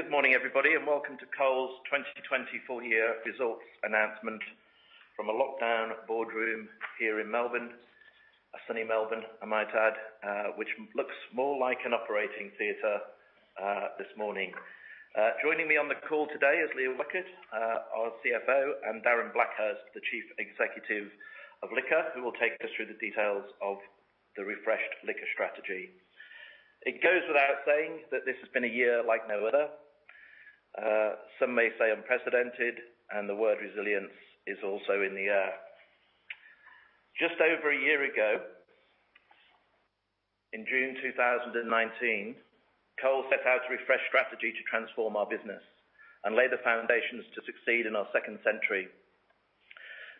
Good morning, everybody, and welcome to Coles' 2020 full year results announcement from a lockdown boardroom here in Melbourne, a sunny Melbourne, I might add, which looks more like an operating theatre this morning. Joining me on the call today is Leah Weckert, our CFO, and Darren Blackhurst, the Chief Executive of Liquor, who will take us through the details of the refreshed Liquor Strategy. It goes without saying that this has been a year like no other. Some may say unprecedented, and the word resilience is also in the air. Just over a year ago, in June 2019, Coles set out to refresh strategy to transform our business and lay the foundations to succeed in our second century.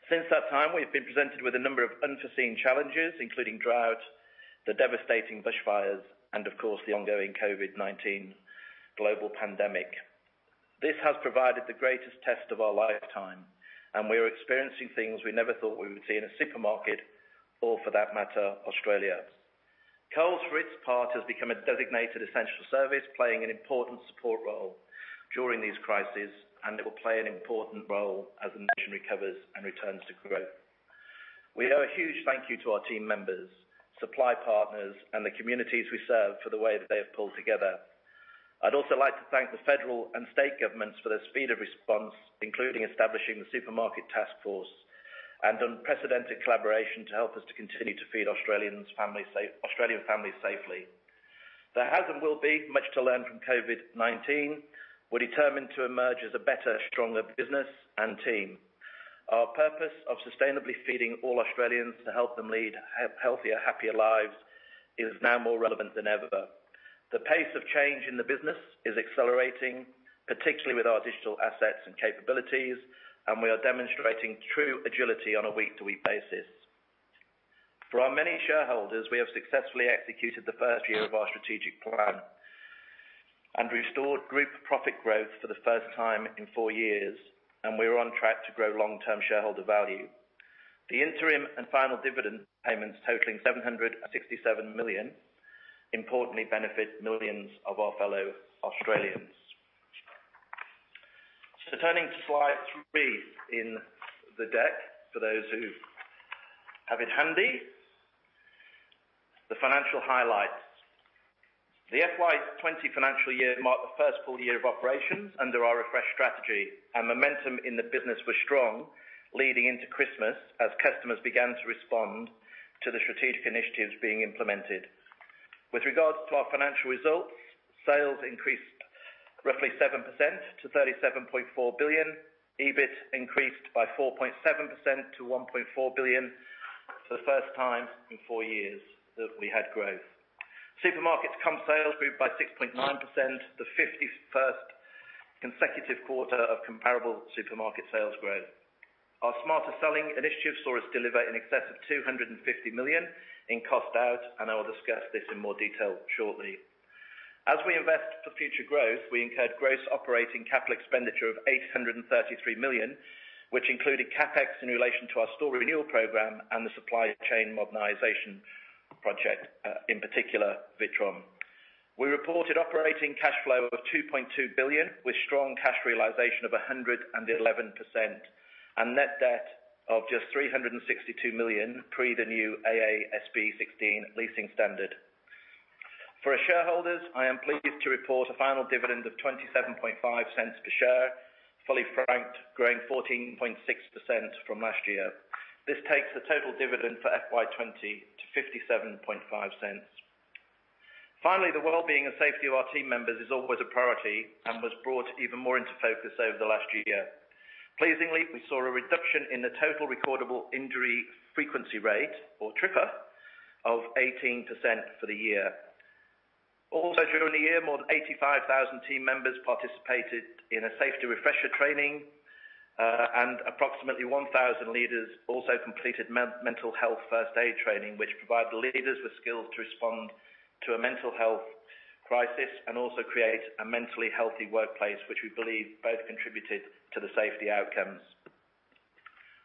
Since that time, we've been presented with a number of unforeseen challenges, including drought, the devastating bushfires, and, of course, the ongoing COVID-19 pandemic. This has provided the greatest test of our lifetime, and we are experiencing things we never thought we would see in a supermarket or, for that matter, Australia. Coles, for its part, has become a designated essential service, playing an important support role during these crises, and it will play an important role as the nation recovers and returns to growth. We owe a huge thank you to our team members, supply partners, and the communities we serve for the way that they have pulled together. I'd also like to thank the federal and state governments for their speed of response, including establishing the Supermarket Task Force and unprecedented collaboration to help us to continue to feed Australian families safely. There has and will be much to learn from COVID-19. We're determined to emerge as a better, stronger business and team. Our purpose of sustainably feeding all Australians to help them lead healthier, happier lives is now more relevant than ever. The pace of change in the business is accelerating, particularly with our digital assets and capabilities, and we are demonstrating true agility on a week-to-week basis. For our many shareholders, we have successfully executed the first year of our strategic plan and restored group profit growth for the first time in four years, and we are on track to grow long-term shareholder value. The interim and final dividend payments, totaling 767 million, importantly benefit millions of our fellow Australians. So, turning to slide three in the deck for those who have it handy, the financial highlights. The FY20 financial year marked the first full year of operations under our refreshed strategy, and momentum in the business was strong leading into Christmas as customers began to respond to the strategic initiatives being implemented. With regards to our financial results, sales increased roughly 7% to 37.4 billion. EBIT increased by 4.7% to 1.4 billion for the first time in four years that we had growth. Supermarkets' comp sales grew by 6.9%, the 51st consecutive quarter of comparable supermarket sales growth. Our Smarter Selling initiative saw us deliver in excess of 250 million in cost out, and I will discuss this in more detail shortly. As we invest for future growth, we incurred gross operating capital expenditure of 833 million, which included CapEx in relation to our store renewal program and the supply chain modernization project, in particular, WITRON. We reported operating cash flow of 2.2 billion, with strong cash realization of 111%, and net debt of just 362 million pre the new AASB 16 leasing standard. For our shareholders, I am pleased to report a final dividend of 0.275 per share, fully franked, growing 14.6% from last year. This takes the total dividend for FY20 to 0.575. Finally, the well-being and safety of our team members is always a priority and was brought even more into focus over the last year. Pleasingly, we saw a reduction in the total recordable injury frequency rate, or TRIFR, of 18% for the year. Also, during the year, more than 85,000 team members participated in a safety refresher training, and approximately 1,000 leaders also completed mental health first aid training, which provided leaders with skills to respond to a mental health crisis and also create a mentally healthy workplace, which we believe both contributed to the safety outcomes.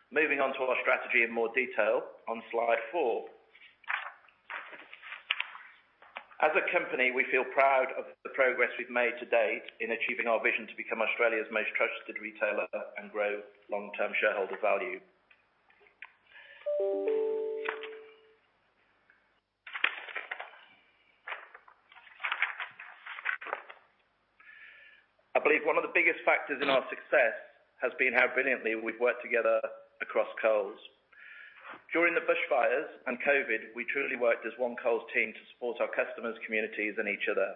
Moving on to our strategy in more detail on slide four. As a company, we feel proud of the progress we've made to date in achieving our vision to become Australia's most trusted retailer and grow long-term shareholder value. I believe one of the biggest factors in our success has been how brilliantly we've worked together across Coles. During the bushfires and COVID, we truly worked as one Coles team to support our customers, communities, and each other.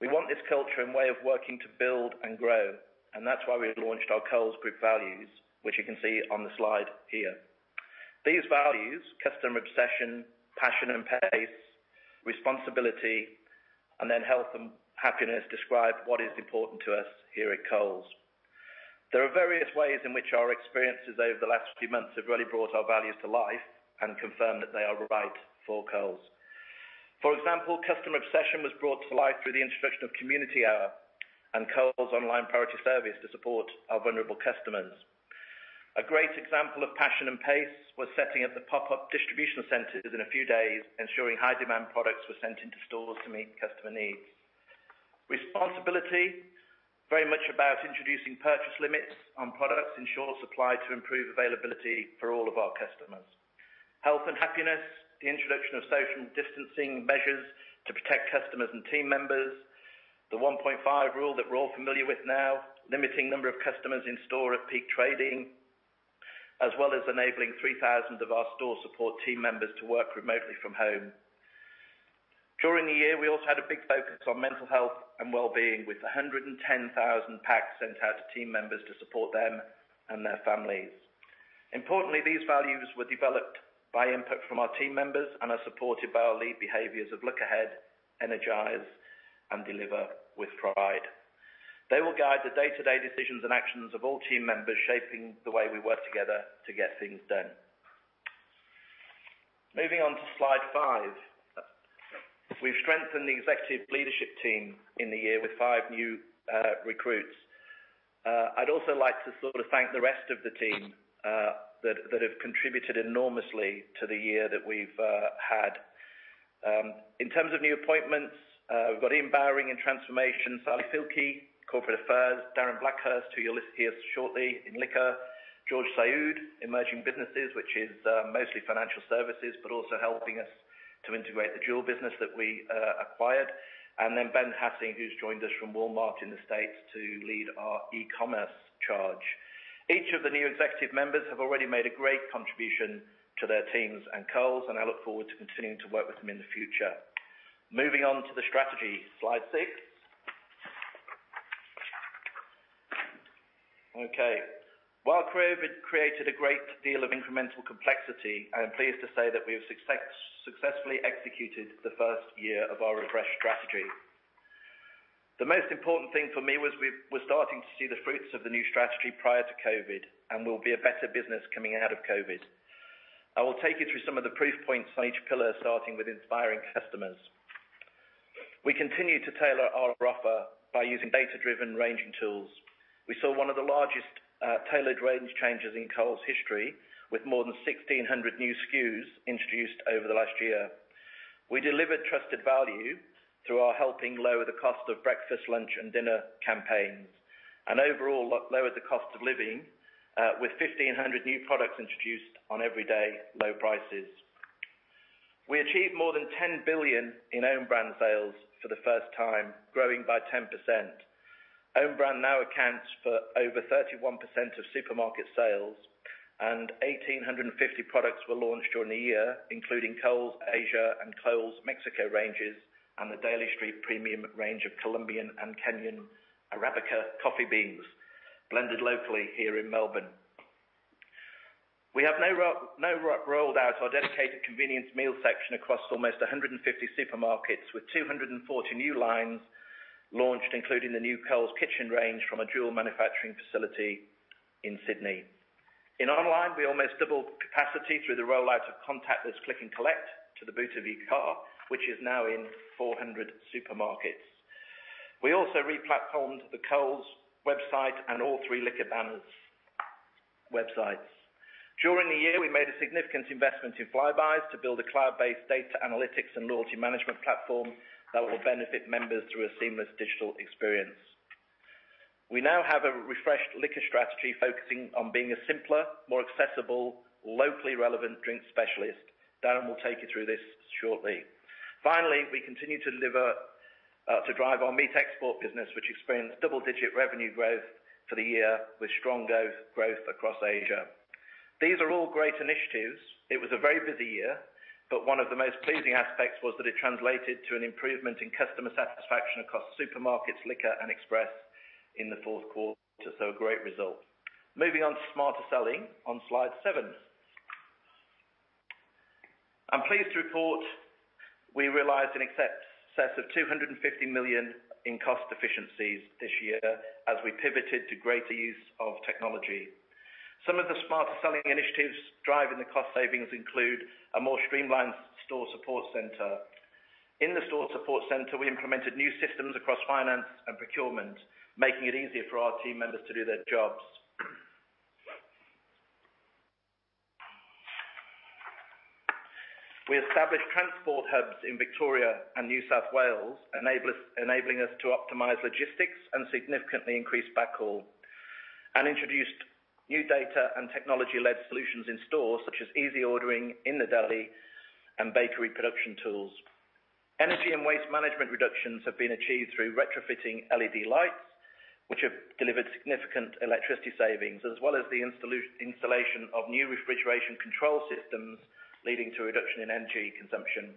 We want this culture and way of working to build and grow, and that's why we launched our Coles Group values, which you can see on the slide here. These values, customer obsession, passion and pace, responsibility, and then health and happiness, describe what is important to us here at Coles. There are various ways in which our experiences over the last few months have really brought our values to life and confirmed that they are right for Coles. For example, customer obsession was brought to life through the introduction of Community Hour and Coles Online Priority Service to support our vulnerable customers. A great example of passion and pace was setting up the pop-up distribution centers in a few days, ensuring high-demand products were sent into stores to meet customer needs. Responsibility, very much about introducing purchase limits on products in short supply to improve availability for all of our customers. Health and happiness, the introduction of social distancing measures to protect customers and team members, the 1.5 rule that we're all familiar with now, limiting the number of customers in store at peak trading, as well as enabling 3,000 of our store support team members to work remotely from home. During the year, we also had a big focus on mental health and well-being, with 110,000 packs sent out to team members to support them and their families. Importantly, these values were developed by input from our team members and are supported by our lead behaviors of look ahead, energize, and deliver with pride. They will guide the day-to-day decisions and actions of all team members shaping the way we work together to get things done. Moving on to slide five, we've strengthened the executive leadership team in the year with five new recruits. I'd also like to sort of thank the rest of the team that have contributed enormously to the year that we've had. In terms of new appointments, we've got Ian Bowring in Transformation, Sally Fielke, Corporate Affairs, Darren Blackhurst, who you'll list here shortly in Liquor, George Saoud, Emerging Businesses, which is mostly financial services, but also helping us to integrate the Jewel business that we acquired, and then Ben Hassing, who's joined us from Walmart in the States to lead our e-commerce charge. Each of the new executive members have already made a great contribution to their teams and Coles, and I look forward to continuing to work with them in the future. Moving on to the strategy, slide six. Okay. While COVID created a great deal of incremental complexity, I am pleased to say that we have successfully executed the first year of our refreshed strategy. The most important thing for me was we were starting to see the fruits of the new strategy prior to COVID and will be a better business coming out of COVID. I will take you through some of the proof points on each pillar, starting with inspiring customers. We continue to tailor our offer by using data-driven ranging tools. We saw one of the largest tailored range changes in Coles' history, with more than 1,600 new SKUs introduced over the last year. We delivered trusted value through our helping lower the cost of breakfast, lunch, and dinner campaigns and overall lowered the cost of living with 1,500 new products introduced on everyday low prices. We achieved more than 10 billion in own brand sales for the first time, growing by 10%. Own brand now accounts for over 31% of supermarket sales, and 1,850 products were launched during the year, including Coles Asia and Coles Mexico ranges and the Daley St Premium range of Colombian and Kenyan Arabica coffee beans blended locally here in Melbourne. We have now rolled out our dedicated convenience meal section across almost 150 supermarkets with 240 new lines launched, including the new Coles Kitchen range from a Jewel manufacturing facility in Sydney. In online, we almost doubled capacity through the rollout of contactless Click and Collect to the boot of your car, which is now in 400 supermarkets. We also replatformed the Coles website and all three Liquor banners websites. During the year, we made a significant investment in Flybuys to build a cloud-based data analytics and loyalty management platform that will benefit members through a seamless digital experience. We now have a refreshed Liquor Strategy focusing on being a simpler, more accessible, locally relevant drink specialist. Darren will take you through this shortly. Finally, we continue to deliver to drive our meat export business, which experienced double-digit revenue growth for the year with strong growth across Asia. These are all great initiatives. It was a very busy year, but one of the most pleasing aspects was that it translated to an improvement in customer satisfaction across Supermarkets, Liquor, and Express in the fourth quarter. So, a great result. Moving on to Smarter Selling on slide seven. I'm pleased to report we realized an excess of 250 million in cost efficiencies this year as we pivoted to greater use of technology. Some of the smarter selling initiatives driving the cost savings include a more streamlined store support center. In the store support center, we implemented new systems across finance and procurement, making it easier for our team members to do their jobs. We established transport hubs in Victoria and New South Wales, enabling us to optimize logistics and significantly increase backhaul, and introduced new data and technology-led solutions in stores, such as easy ordering in the deli and bakery production tools. Energy and waste management reductions have been achieved through retrofitting LED lights, which have delivered significant electricity savings, as well as the installation of new refrigeration control systems, leading to a reduction in energy consumption.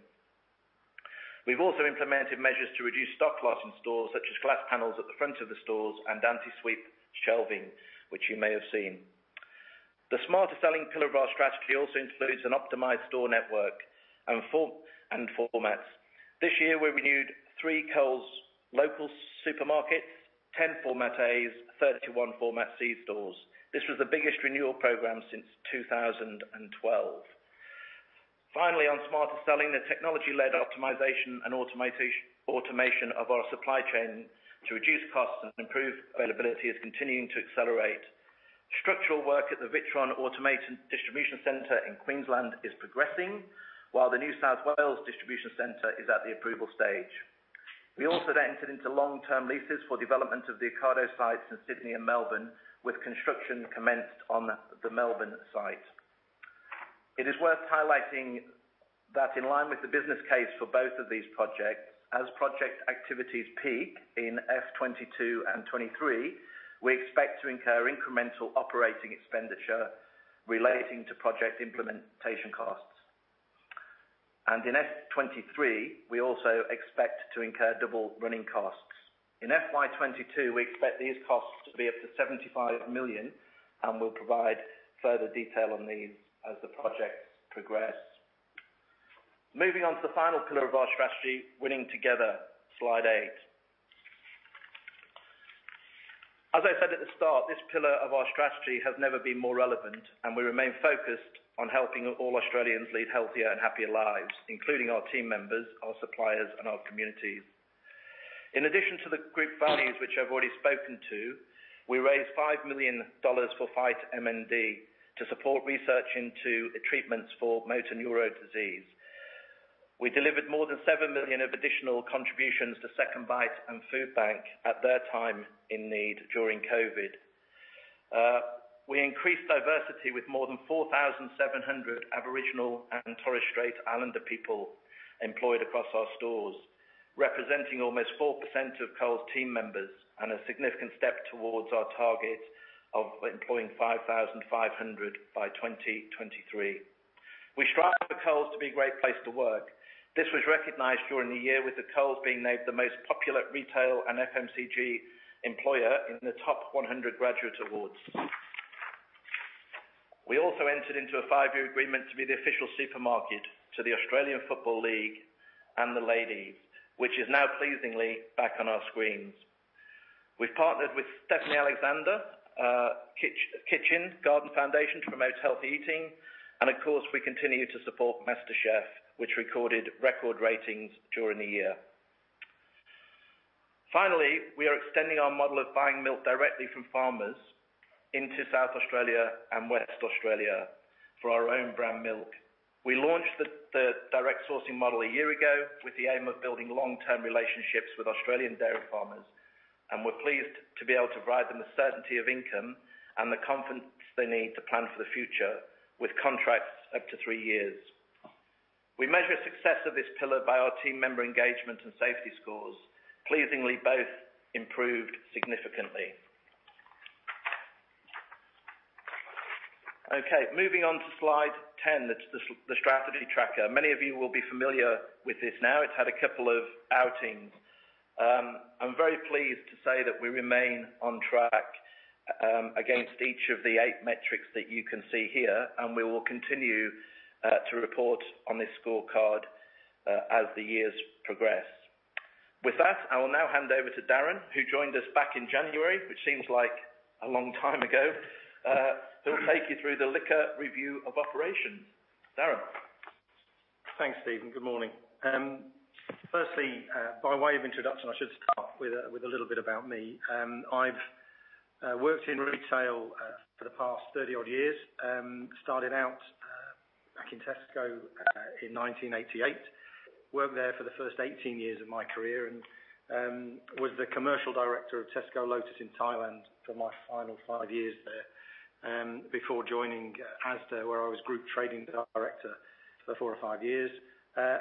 We've also implemented measures to reduce stock loss in stores, such as glass panels at the front of the stores and anti-sweep shelving, which you may have seen. The Smarter Selling pillar of our strategy also includes an optimized store network and formats. This year, we renewed three Coles Local supermarkets, 10 Format A's, 31 Format C stores. This was the biggest renewal program since 2012. Finally, on Smarter Selling, the technology-led optimization and automation of our supply chain to reduce costs and improve availability is continuing to accelerate. Structural work at the WITRON Automation Distribution Center in Queensland is progressing, while the New South Wales Distribution Center is at the approval stage. We also entered into long-term leases for development of the Ocado sites in Sydney and Melbourne, with construction commenced on the Melbourne site. It is worth highlighting that in line with the business case for both of these projects, as project activities peak in F22 and F23, we expect to incur incremental operating expenditure relating to project implementation costs, and in F23, we also expect to incur double running costs. In FY22, we expect these costs to be up to $75 million, and we'll provide further detail on these as the projects progress. Moving on to the final pillar of our strategy, winning together, slide eight. As I said at the start, this pillar of our strategy has never been more relevant, and we remain focused on helping all Australians lead healthier and happier lives, including our team members, our suppliers, and our communities. In addition to the group values, which I've already spoken to, we raised $5 million for FightMND to support research into treatments for motor neurone disease. We delivered more than 7 million of additional contributions to SecondBite and Foodbank at their time in need during COVID. We increased diversity with more than 4,700 Aboriginal and Torres Strait Islander people employed across our stores, representing almost 4% of Coles team members, and a significant step towards our target of employing 5,500 by 2023. We strive for Coles to be a great place to work. This was recognized during the year, with Coles being named the most popular retail and FMCG employer in the top 100 graduate awards. We also entered into a five-year agreement to be the official supermarket to the Australian Football League and the ladies, which is now pleasingly back on our screens. We've partnered with Stephanie Alexander Kitchen Garden Foundation to promote healthy eating, and of course, we continue to support MasterChef, which recorded record ratings during the year. Finally, we are extending our model of buying milk directly from farmers into South Australia and Western Australia for our own brand milk. We launched the direct sourcing model a year ago with the aim of building long-term relationships with Australian dairy farmers, and we're pleased to be able to provide them with certainty of income and the confidence they need to plan for the future with contracts up to three years. We measure success of this pillar by our team member engagement and safety scores, pleasingly both improved significantly. Okay, moving on to slide 10, the strategy tracker. Many of you will be familiar with this now. It's had a couple of outings. I'm very pleased to say that we remain on track against each of the eight metrics that you can see here, and we will continue to report on this scorecard as the years progress. With that, I will now hand over to Darren who joined us back in January, which seems like a long time ago, who will take you through the Liquor Review of Operations. Darren. Thanks, Steven. Good morning. Firstly, by way of introduction, I should start with a little bit about me. I've worked in retail for the past 30-odd years, started out back in Tesco in 1988, worked there for the first 18 years of my career, and was the commercial director of Tesco Lotus in Thailand for my final five years there before joining ASDA, where I was group trading director for four or five years,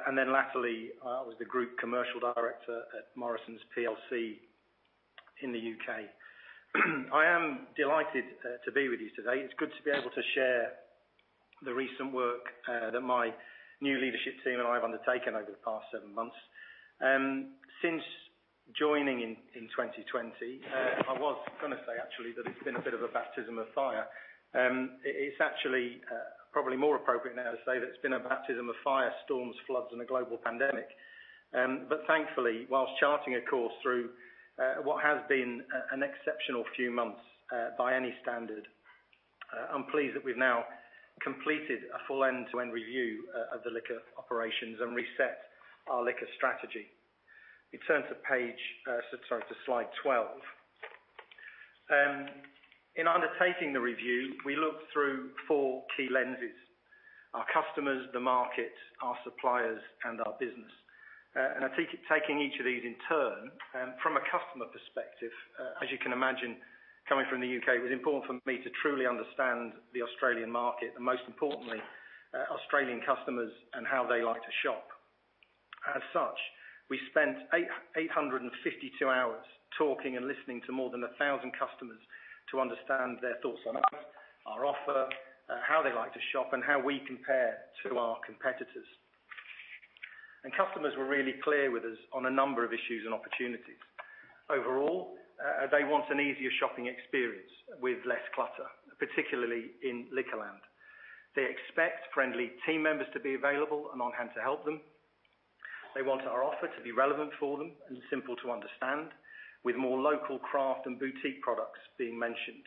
and then latterly, I was the group commercial director at Morrisons PLC in the U.K. I am delighted to be with you today. It's good to be able to share the recent work that my new leadership team and I have undertaken over the past seven months. Since joining in 2020, I was going to say actually that it's been a bit of a baptism of fire. It's actually probably more appropriate now to say that it's been a baptism of fire, storms, floods, and a global pandemic, but thankfully, while charting a course through what has been an exceptional few months by any standard, I'm pleased that we've now completed a full end-to-end review of the Liquor Operations and reset our Liquor Strategy. We turn to page, sorry, to slide 12. In undertaking the review, we looked through four key lenses: our customers, the market, our suppliers, and our business, and I think taking each of these in turn from a customer perspective, as you can imagine, coming from the U.K., it was important for me to truly understand the Australian market, and most importantly, Australian customers and how they like to shop. As such, we spent 852 hours talking and listening to more than 1,000 customers to understand their thoughts on us, our offer, how they like to shop, and how we compare to our competitors. And customers were really clear with us on a number of issues and opportunities. Overall, they want an easier shopping experience with less clutter, particularly in Liquorland. They expect friendly team members to be available and on hand to help them. They want our offer to be relevant for them and simple to understand, with more local craft and boutique products being mentioned.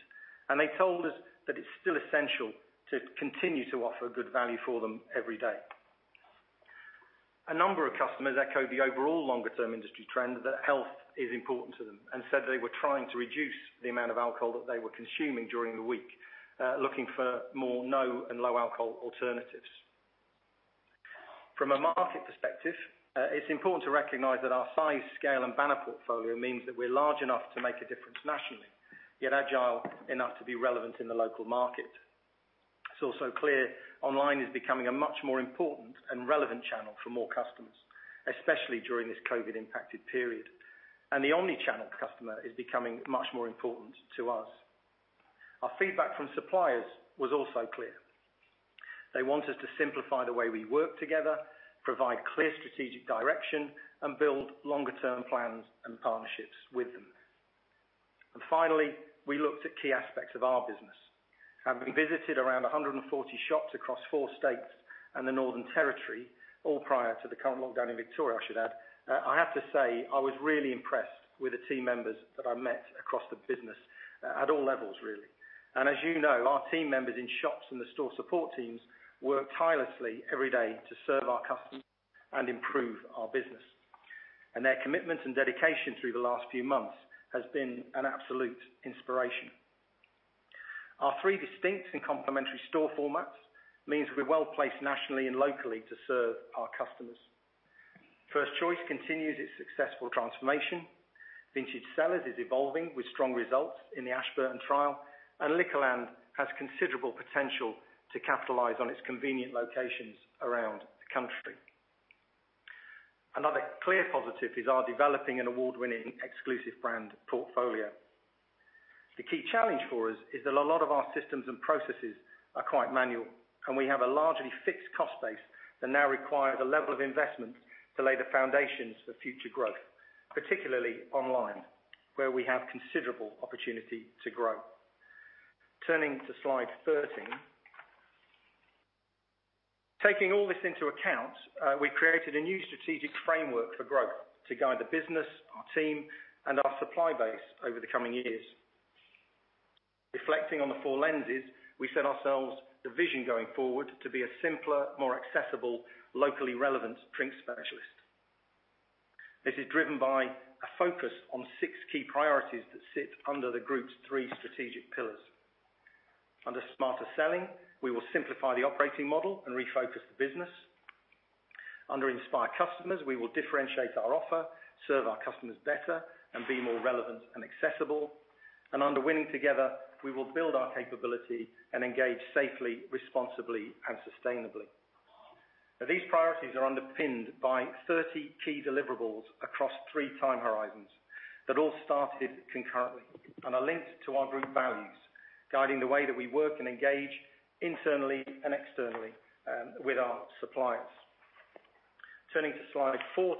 And they told us that it's still essential to continue to offer good value for them every day. A number of customers echoed the overall longer-term industry trend that health is important to them and said they were trying to reduce the amount of alcohol that they were consuming during the week, looking for more no and low alcohol alternatives. From a market perspective, it's important to recognize that our size, scale, and banner portfolio means that we're large enough to make a difference nationally, yet agile enough to be relevant in the local market. It's also clear online is becoming a much more important and relevant channel for more customers, especially during this COVID-impacted period, and the omnichannel customer is becoming much more important to us. Our feedback from suppliers was also clear. They want us to simplify the way we work together, provide clear strategic direction, and build longer-term plans and partnerships with them, and finally, we looked at key aspects of our business. Having visited around 140 shops across four states and the Northern Territory, all prior to the current lockdown in Victoria, I should add. I have to say I was really impressed with the team members that I met across the business at all levels, really, and as you know, our team members in shops and the store support teams work tirelessly every day to serve our customers and improve our business, and their commitment and dedication through the last few months has been an absolute inspiration. Our three distinct and complementary store formats means we're well placed nationally and locally to serve our customers. First Choice continues its successful transformation. Vintage Cellars is evolving with strong results in the suburban and trial, and Liquorland has considerable potential to capitalize on its convenient locations around the country. Another clear positive is our developing an award-winning exclusive brand portfolio. The key challenge for us is that a lot of our systems and processes are quite manual, and we have a largely fixed cost base that now requires a level of investment to lay the foundations for future growth, particularly online, where we have considerable opportunity to grow. Turning to slide 13. Taking all this into account, we created a new strategic framework for growth to guide the business, our team, and our supply base over the coming years. Reflecting on the four lenses, we set ourselves the vision going forward to be a simpler, more accessible, locally relevant drink specialist. This is driven by a focus on six key priorities that sit under the group's three strategic pillars. Under Smarter Selling, we will simplify the operating model and refocus the business. Under Inspire Customers, we will differentiate our offer, serve our customers better, and be more relevant and accessible. And under Winning Together, we will build our capability and engage safely, responsibly, and sustainably. These priorities are underpinned by 30 key deliverables across three time horizons that all started concurrently and are linked to our group values, guiding the way that we work and engage internally and externally with our suppliers. Turning to slide 14,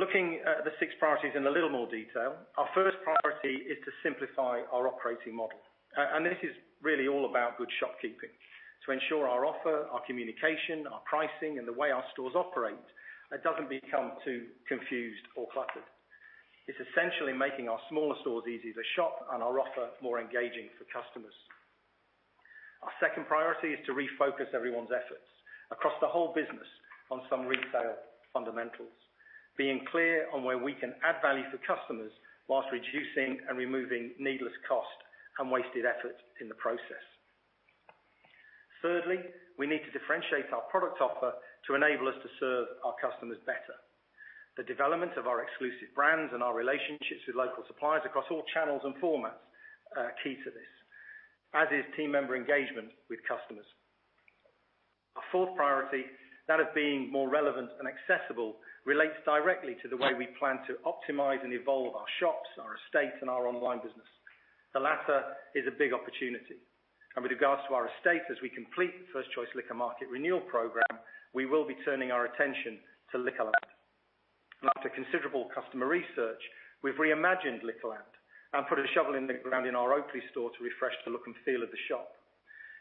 looking at the six priorities in a little more detail, our first priority is to simplify our operating model. And this is really all about good shopkeeping to ensure our offer, our communication, our pricing, and the way our stores operate doesn't become too confused or cluttered. It's essentially making our smaller stores easier to shop and our offer more engaging for customers. Our second priority is to refocus everyone's efforts across the whole business on some retail fundamentals, being clear on where we can add value for customers while reducing and removing needless cost and wasted effort in the process. Thirdly, we need to differentiate our product offer to enable us to serve our customers better. The development of our exclusive brands and our relationships with local suppliers across all channels and formats are key to this, as is team member engagement with customers. Our fourth priority, that of being more relevant and accessible, relates directly to the way we plan to optimize and evolve our shops, our estate, and our online business. The latter is a big opportunity. And with regards to our estate, as we complete the First Choice Liquor Market Renewal Program, we will be turning our attention to Liquorland. After considerable customer research, we've reimagined Liquorland and put a shovel in the ground in our Oakleigh store to refresh the look and feel of the shop.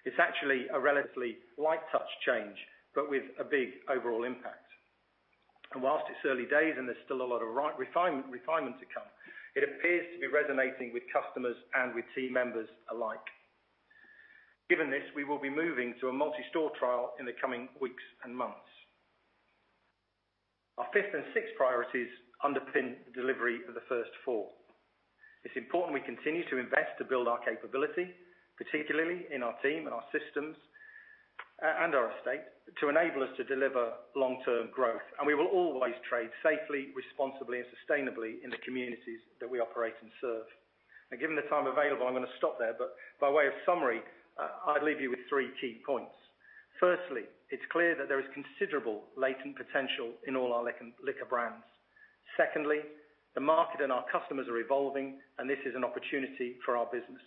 It's actually a relatively light touch change, but with a big overall impact. And whilst it's early days and there's still a lot of refinement to come, it appears to be resonating with customers and with team members alike. Given this, we will be moving to a multi-store trial in the coming weeks and months. Our fifth and sixth priorities underpin the delivery of the first four. It's important we continue to invest to build our capability, particularly in our team and our systems and our estate, to enable us to deliver long-term growth. And we will always trade safely, responsibly, and sustainably in the communities that we operate and serve. And given the time available, I'm going to stop there. But by way of summary, I'd leave you with three key points. Firstly, it's clear that there is considerable latent potential in all our liquor brands. Secondly, the market and our customers are evolving, and this is an opportunity for our business.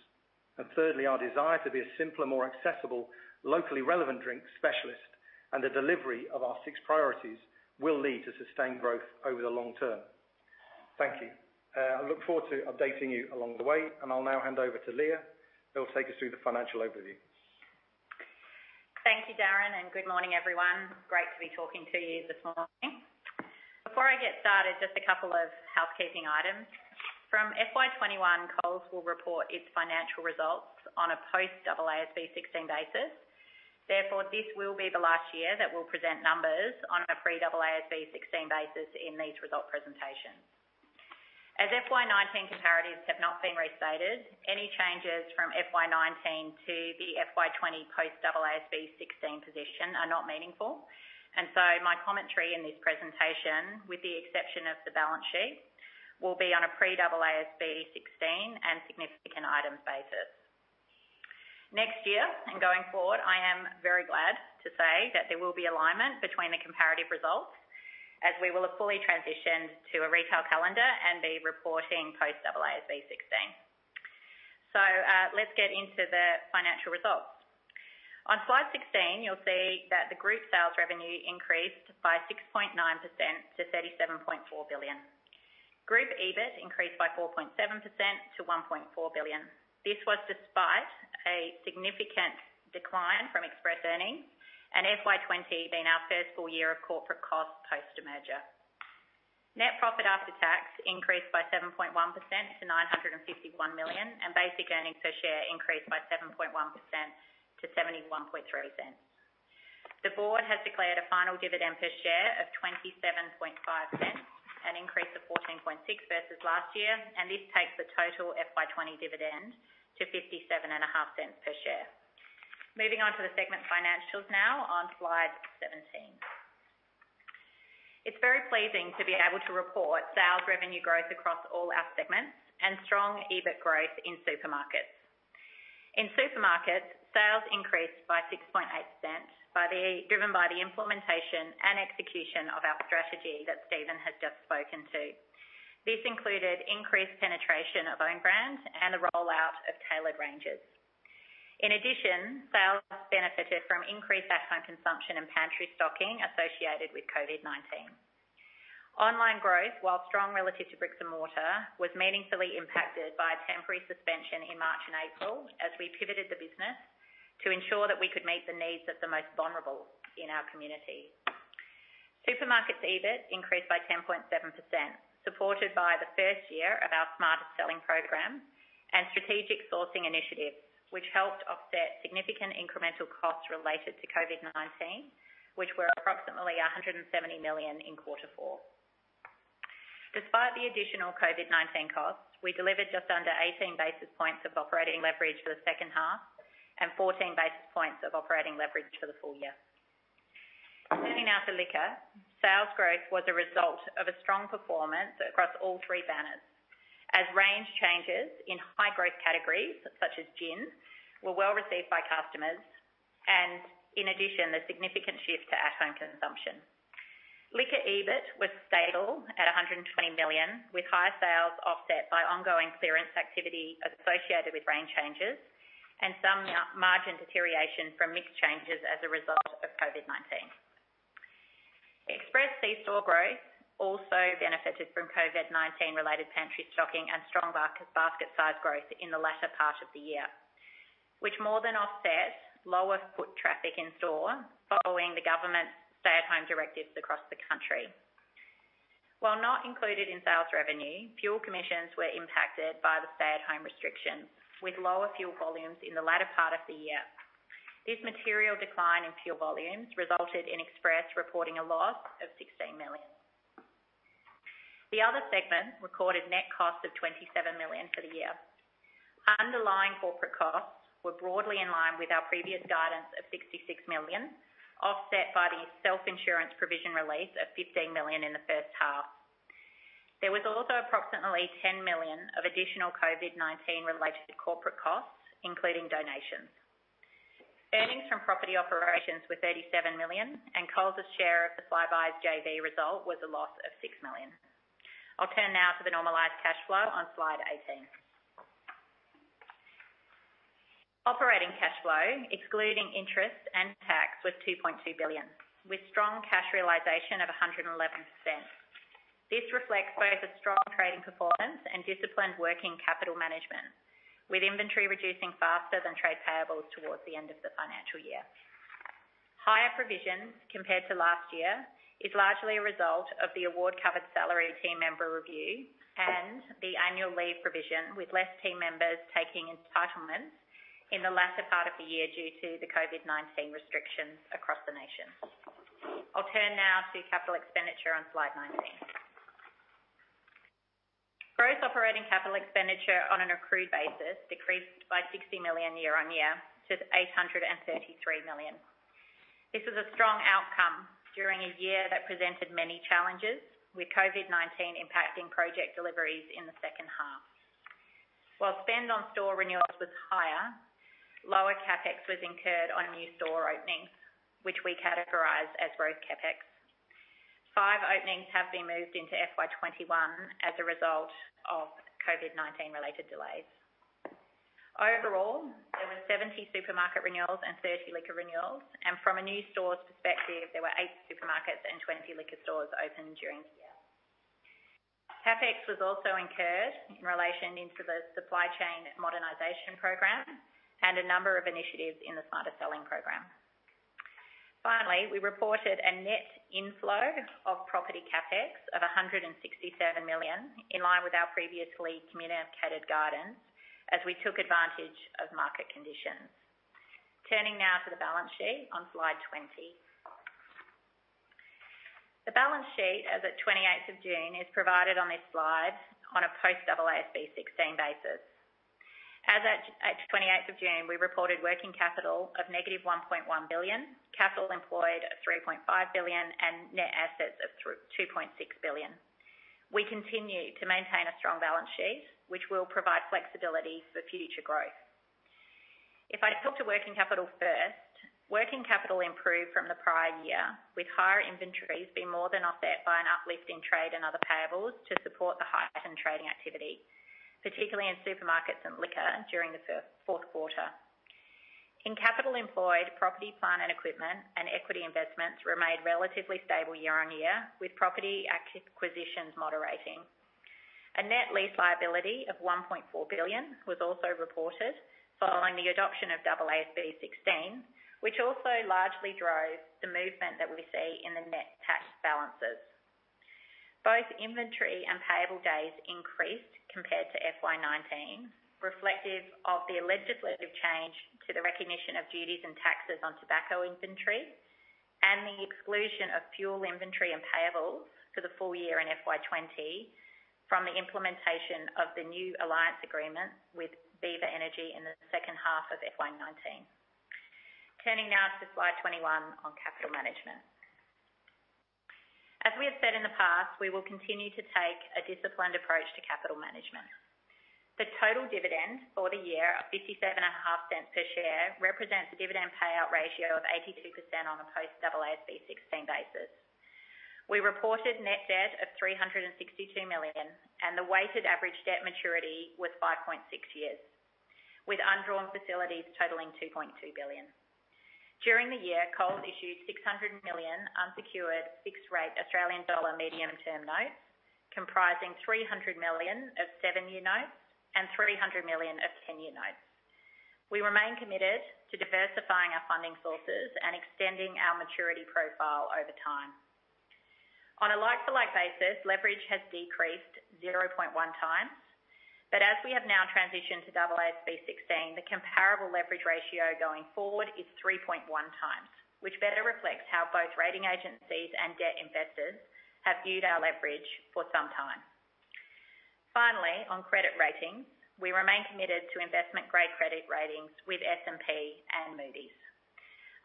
And thirdly, our desire to be a simpler, more accessible, locally relevant drink specialist and the delivery of our six priorities will lead to sustained growth over the long term. Thank you. I look forward to updating you along the way. And I'll now hand over to Leah, who will take us through the financial overview. Thank you, Darren, and good morning, everyone. Great to be talking to you this morning. Before I get started, just a couple of housekeeping items. From FY21, Coles will report its financial results on a post-AASB 16 basis. Therefore, this will be the last year that we'll present numbers on a pre-AASB 16 basis in these result presentations. As FY19 comparatives have not been restated, any changes from FY19 to the FY20 post-AASB 16 position are not meaningful. And so my commentary in this presentation, with the exception of the balance sheet, will be on a pre-AASB 16 and significant items basis. Next year and going forward, I am very glad to say that there will be alignment between the comparative results as we will have fully transitioned to a retail calendar and be reporting post-AASB 16. So let's get into the financial results. On slide 16, you'll see that the group sales revenue increased by 6.9% to 37.4 billion. Group EBIT increased by 4.7% to 1.4 billion. This was despite a significant decline from express earnings and FY20 being our first full year of corporate cost post-merger. Net profit after tax increased by 7.1% to 951 million, and basic earnings per share increased by 7.1% to 0.713 cents. The board has declared a final dividend per share of 0.275, an increase of 0.146 versus last year, and this takes the total FY20 dividend to 0.575 per share. Moving on to the segment financials now on slide 17. It's very pleasing to be able to report sales revenue growth across all our segments and strong EBIT growth in supermarkets. In supermarkets, sales increased by 6.8%, driven by the implementation and execution of our strategy that Steven has just spoken to. This included increased penetration of own brand and the rollout of tailored ranges. In addition, sales benefited from increased at-home consumption and pantry stocking associated with COVID-19. Online growth, while strong relative to bricks and mortar, was meaningfully impacted by a temporary suspension in March and April as we pivoted the business to ensure that we could meet the needs of the most vulnerable in our community. Supermarkets' EBIT increased by 10.7%, supported by the first year of our Smarter Selling Program and strategic sourcing initiatives, which helped offset significant incremental costs related to COVID-19, which were approximately 170 million in quarter four. Despite the additional COVID-19 costs, we delivered just under 18 basis points of operating leverage for the second half and 14 basis points of operating leverage for the full year. Turning now to liquor, sales growth was a result of a strong performance across all three banners, as range changes in high-growth categories such as gin were well received by customers, and in addition, the significant shift to at-home consumption. Liquor EBIT was stable at 120 million, with high sales offset by ongoing clearance activity associated with range changes and some margin deterioration from mixed changes as a result of COVID-19. Express C-store growth also benefited from COVID-19-related pantry stocking and strong basket size growth in the latter part of the year, which more than offset lower foot traffic in store following the government's stay-at-home directives across the country. While not included in sales revenue, fuel commissions were impacted by the stay-at-home restrictions, with lower fuel volumes in the latter part of the year. This material decline in fuel volumes resulted in Express reporting a loss of 16 million. The other segment recorded net costs of 27 million for the year. Underlying corporate costs were broadly in line with our previous guidance of 66 million, offset by the self-insurance provision release of 15 million in the first half. There was also approximately 10 million of additional COVID-19-related corporate costs, including donations. Earnings from property operations were 37 million, and Coles' share of the Flybuys JV result was a loss of 6 million. I'll turn now to the normalized cash flow on slide 18. Operating cash flow, excluding interest and tax, was AUD 2.2 billion, with strong cash realization of 111%. This reflects both a strong trading performance and disciplined working capital management, with inventory reducing faster than trade payables towards the end of the financial year. Higher provision compared to last year is largely a result of the award-covered salary team member review and the annual leave provision, with less team members taking entitlements in the latter part of the year due to the COVID-19 restrictions across the nation. I'll turn now to capital expenditure on slide 19. Gross operating capital expenditure on an accrued basis decreased by 60 million year on year to 833 million. This was a strong outcome during a year that presented many challenges, with COVID-19 impacting project deliveries in the second half. While spend on store renewals was higher, lower CapEx was incurred on new store openings, which we categorize as growth CapEx. Five openings have been moved into FY21 as a result of COVID-19-related delays. Overall, there were 70 supermarket renewals and 30 liquor renewals. From a new store's perspective, there were eight supermarkets and 20 liquor stores opened during the year. CapEx was also incurred in relation to the supply chain modernization program and a number of initiatives in the Smarter Selling Program. Finally, we reported a net inflow of property CapEx of 167 million in line with our previously communicated guidance as we took advantage of market conditions. Turning now to the balance sheet on slide 20. The balance sheet as of June 28th is provided on this slide on a post-AASB 16 basis. As of June 28th, we reported working capital of negative 1.1 billion, capital employed of 3.5 billion, and net assets of 2.6 billion. We continue to maintain a strong balance sheet, which will provide flexibility for future growth. If I talk to working capital first, working capital improved from the prior year, with higher inventories being more than offset by an uplift in trade and other payables to support the heightened trading activity, particularly in supermarkets and liquor during the fourth quarter. In capital employed, property, plant and equipment and equity investments remained relatively stable year on year, with property acquisitions moderating. A net lease liability of 1.4 billion was also reported following the adoption of AASB 16, which also largely drove the movement that we see in the net tax balances. Both inventory and payable days increased compared to FY19, reflective of the legislative change to the recognition of duties and taxes on tobacco inventory and the exclusion of fuel inventory and payables for the full year in FY20 from the implementation of the new alliance agreement with Viva Energy in the second half of FY19. Turning now to slide 21 on capital management. As we have said in the past, we will continue to take a disciplined approach to capital management. The total dividend for the year of 0.575 per share represents a dividend payout ratio of 82% on a post-AASB 16 basis. We reported net debt of 362 million, and the weighted average debt maturity was 5.6 years, with undrawn facilities totaling 2.2 billion. During the year, Coles issued 600 million unsecured fixed-rate Australian dollar medium-term notes comprising 300 million of seven-year notes and 300 million of ten-year notes. We remain committed to diversifying our funding sources and extending our maturity profile over time. On a like-for-like basis, leverage has decreased 0.1x. But as we have now transitioned to AASB 16, the comparable leverage ratio going forward is 3.1 times, which better reflects how both rating agencies and debt investors have viewed our leverage for some time. Finally, on credit ratings, we remain committed to investment-grade credit ratings with S&P and Moody's.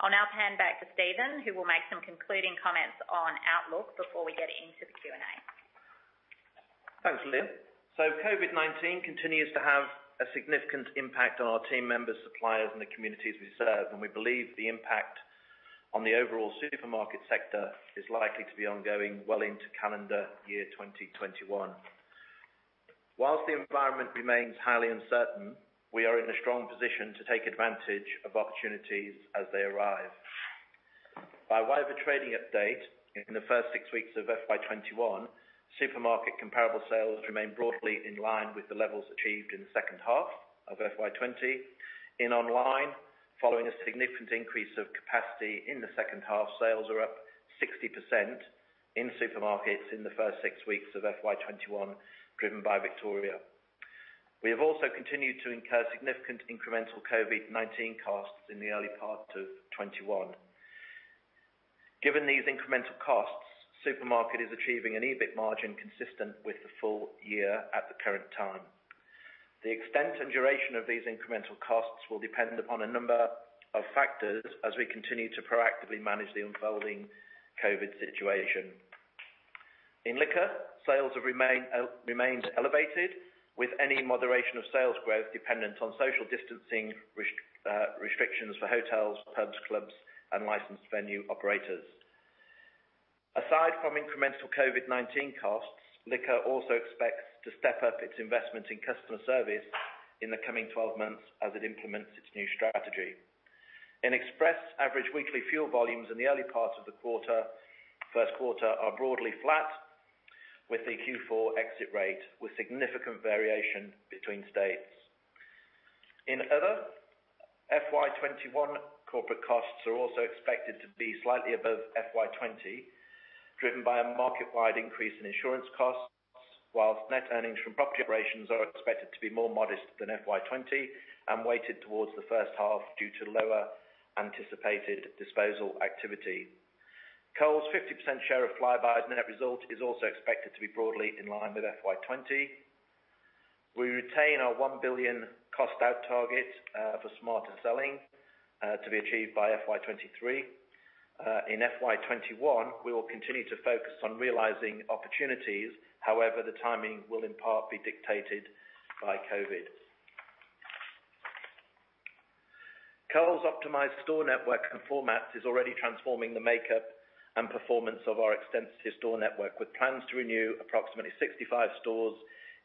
I'll now hand back to Steven, who will make some concluding comments on Outlook before we get into the Q&A. Thanks, Leah. COVID-19 continues to have a significant impact on our team members, suppliers, and the communities we serve. We believe the impact on the overall supermarket sector is likely to be ongoing well into calendar year 2021. While the environment remains highly uncertain, we are in a strong position to take advantage of opportunities as they arrive. By way of a trading update, in the first six weeks of FY21, supermarket comparable sales remain broadly in line with the levels achieved in the second half of FY20. In online, following a significant increase of capacity in the second half, sales are up 60% in supermarkets in the first six weeks of FY21, driven by Victoria. We have also continued to incur significant incremental COVID-19 costs in the early part of 2021. Given these incremental costs, Supermarkets is achieving an EBIT margin consistent with the full year at the current time. The extent and duration of these incremental costs will depend upon a number of factors as we continue to proactively manage the unfolding COVID situation. In Liquor, sales have remained elevated, with any moderation of sales growth dependent on social distancing restrictions for hotels, pubs, clubs, and licensed venue operators. Aside from incremental COVID-19 costs, Liquor also expects to step up its investment in customer service in the coming 12 months as it implements its new strategy. In Express, average weekly fuel volumes in the early part of the first quarter are broadly flat, with the Q4 exit rate with significant variation between states. In other FY21, corporate costs are also expected to be slightly above FY20, driven by a market-wide increase in insurance costs, while net earnings from property operations are expected to be more modest than FY20 and weighted towards the first half due to lower anticipated disposal activity. Coles' 50% share of Flybuys net result is also expected to be broadly in line with FY20. We retain our 1 billion cost-out target for Smarter Selling to be achieved by FY23. In FY21, we will continue to focus on realizing opportunities. However, the timing will in part be dictated by COVID. Coles' optimized store network and formats is already transforming the makeup and performance of our extensive store network, with plans to renew approximately 65 stores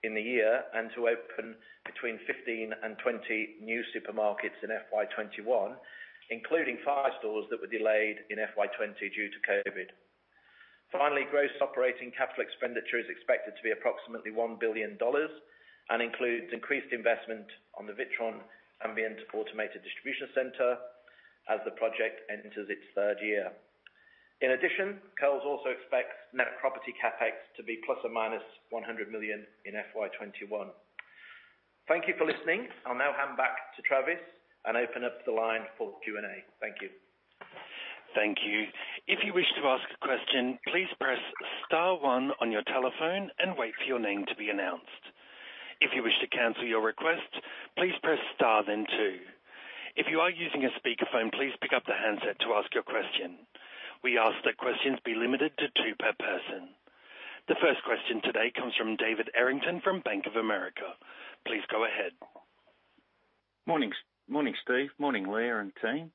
in the year and to open between 15 and 20 new supermarkets in FY21, including five stores that were delayed in FY20 due to COVID. Finally, gross operating capital expenditure is expected to be approximately 1 billion dollars and includes increased investment on the Witron Ambient Automated Distribution Center as the project enters its third year. In addition, Coles also expects net property CapEx to be plus or minus 100 million in FY21. Thank you for listening. I'll now hand back to Travis and open up the line for Q&A. Thank you. Thank you. If you wish to ask a question, please press star one on your telephone and wait for your name to be announced. If you wish to cancel your request, please press star then two. If you are using a speakerphone, please pick up the handset to ask your question. We ask that questions be limited to two per person. The first question today comes from David Errington from Bank of America. Please go ahead. Morning, Steve. Morning, Leah and team.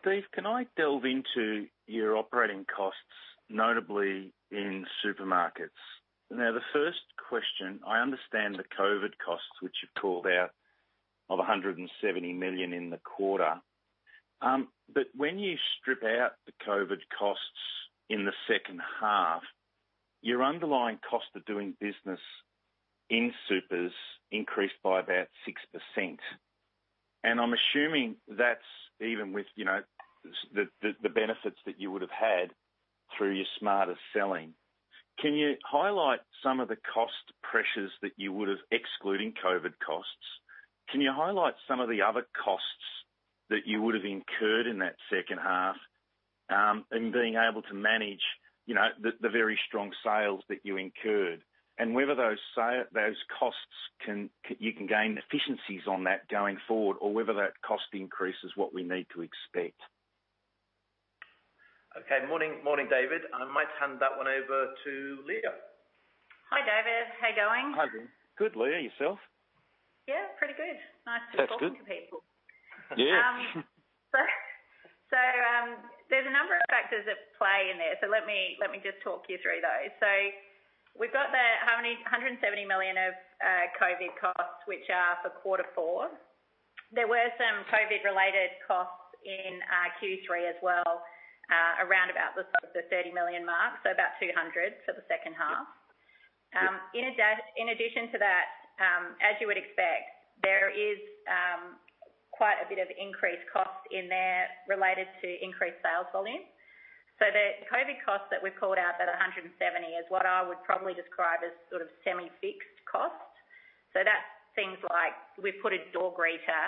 Steve, can I delve into your operating costs, notably in supermarkets? Now, the first question, I understand the COVID costs, which you've called out, of 170 million in the quarter. But when you strip out the COVID costs in the second half, your underlying cost of doing business in supers increased by about 6%. And I'm assuming that's even with the benefits that you would have had through your Smarter Selling. Can you highlight some of the cost pressures that you would have excluding COVID costs? Can you highlight some of the other costs that you would have incurred in that second half in being able to manage the very strong sales that you incurred? And whether those costs you can gain efficiencies on that going forward, or whether that cost increase is what we need to expect. Okay. Morning, David. I might hand that one over to Leah. Hi, David. How you going? Hi, Leah. Good, Leah, yourself? Yeah, pretty good. Nice to talk to people. That's good. There are a number of factors at play in there. Let me just talk you through those. We've got 170 million of COVID costs, which are for quarter four. There were some COVID-related costs in Q3 as well, around about the 30 million mark, so about 200 million for the second half. In addition to that, as you would expect, there is quite a bit of increased cost in there related to increased sales volume. The COVID costs that we've called out, that 170, is what I would probably describe as sort of semi-fixed costs. That's things like we've put a door greeter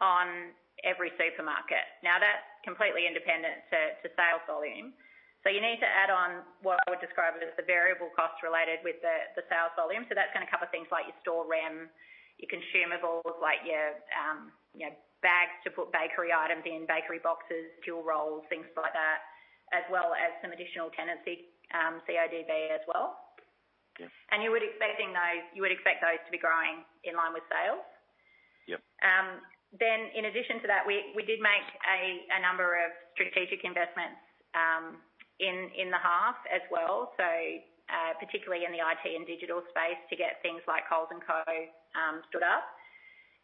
on every supermarket. Now, that's completely independent to sales volume. You need to add on what I would describe as the variable costs related with the sales volume. So that's going to cover things like your store rent, your consumables, like your bags to put bakery items in, bakery boxes, foil rolls, things like that, as well as some additional tenancy, CODB as well. And you would expect those to be growing in line with sales. Then, in addition to that, we did make a number of strategic investments in the half as well, particularly in the IT and digital space to get things like Coles & Co. stood up.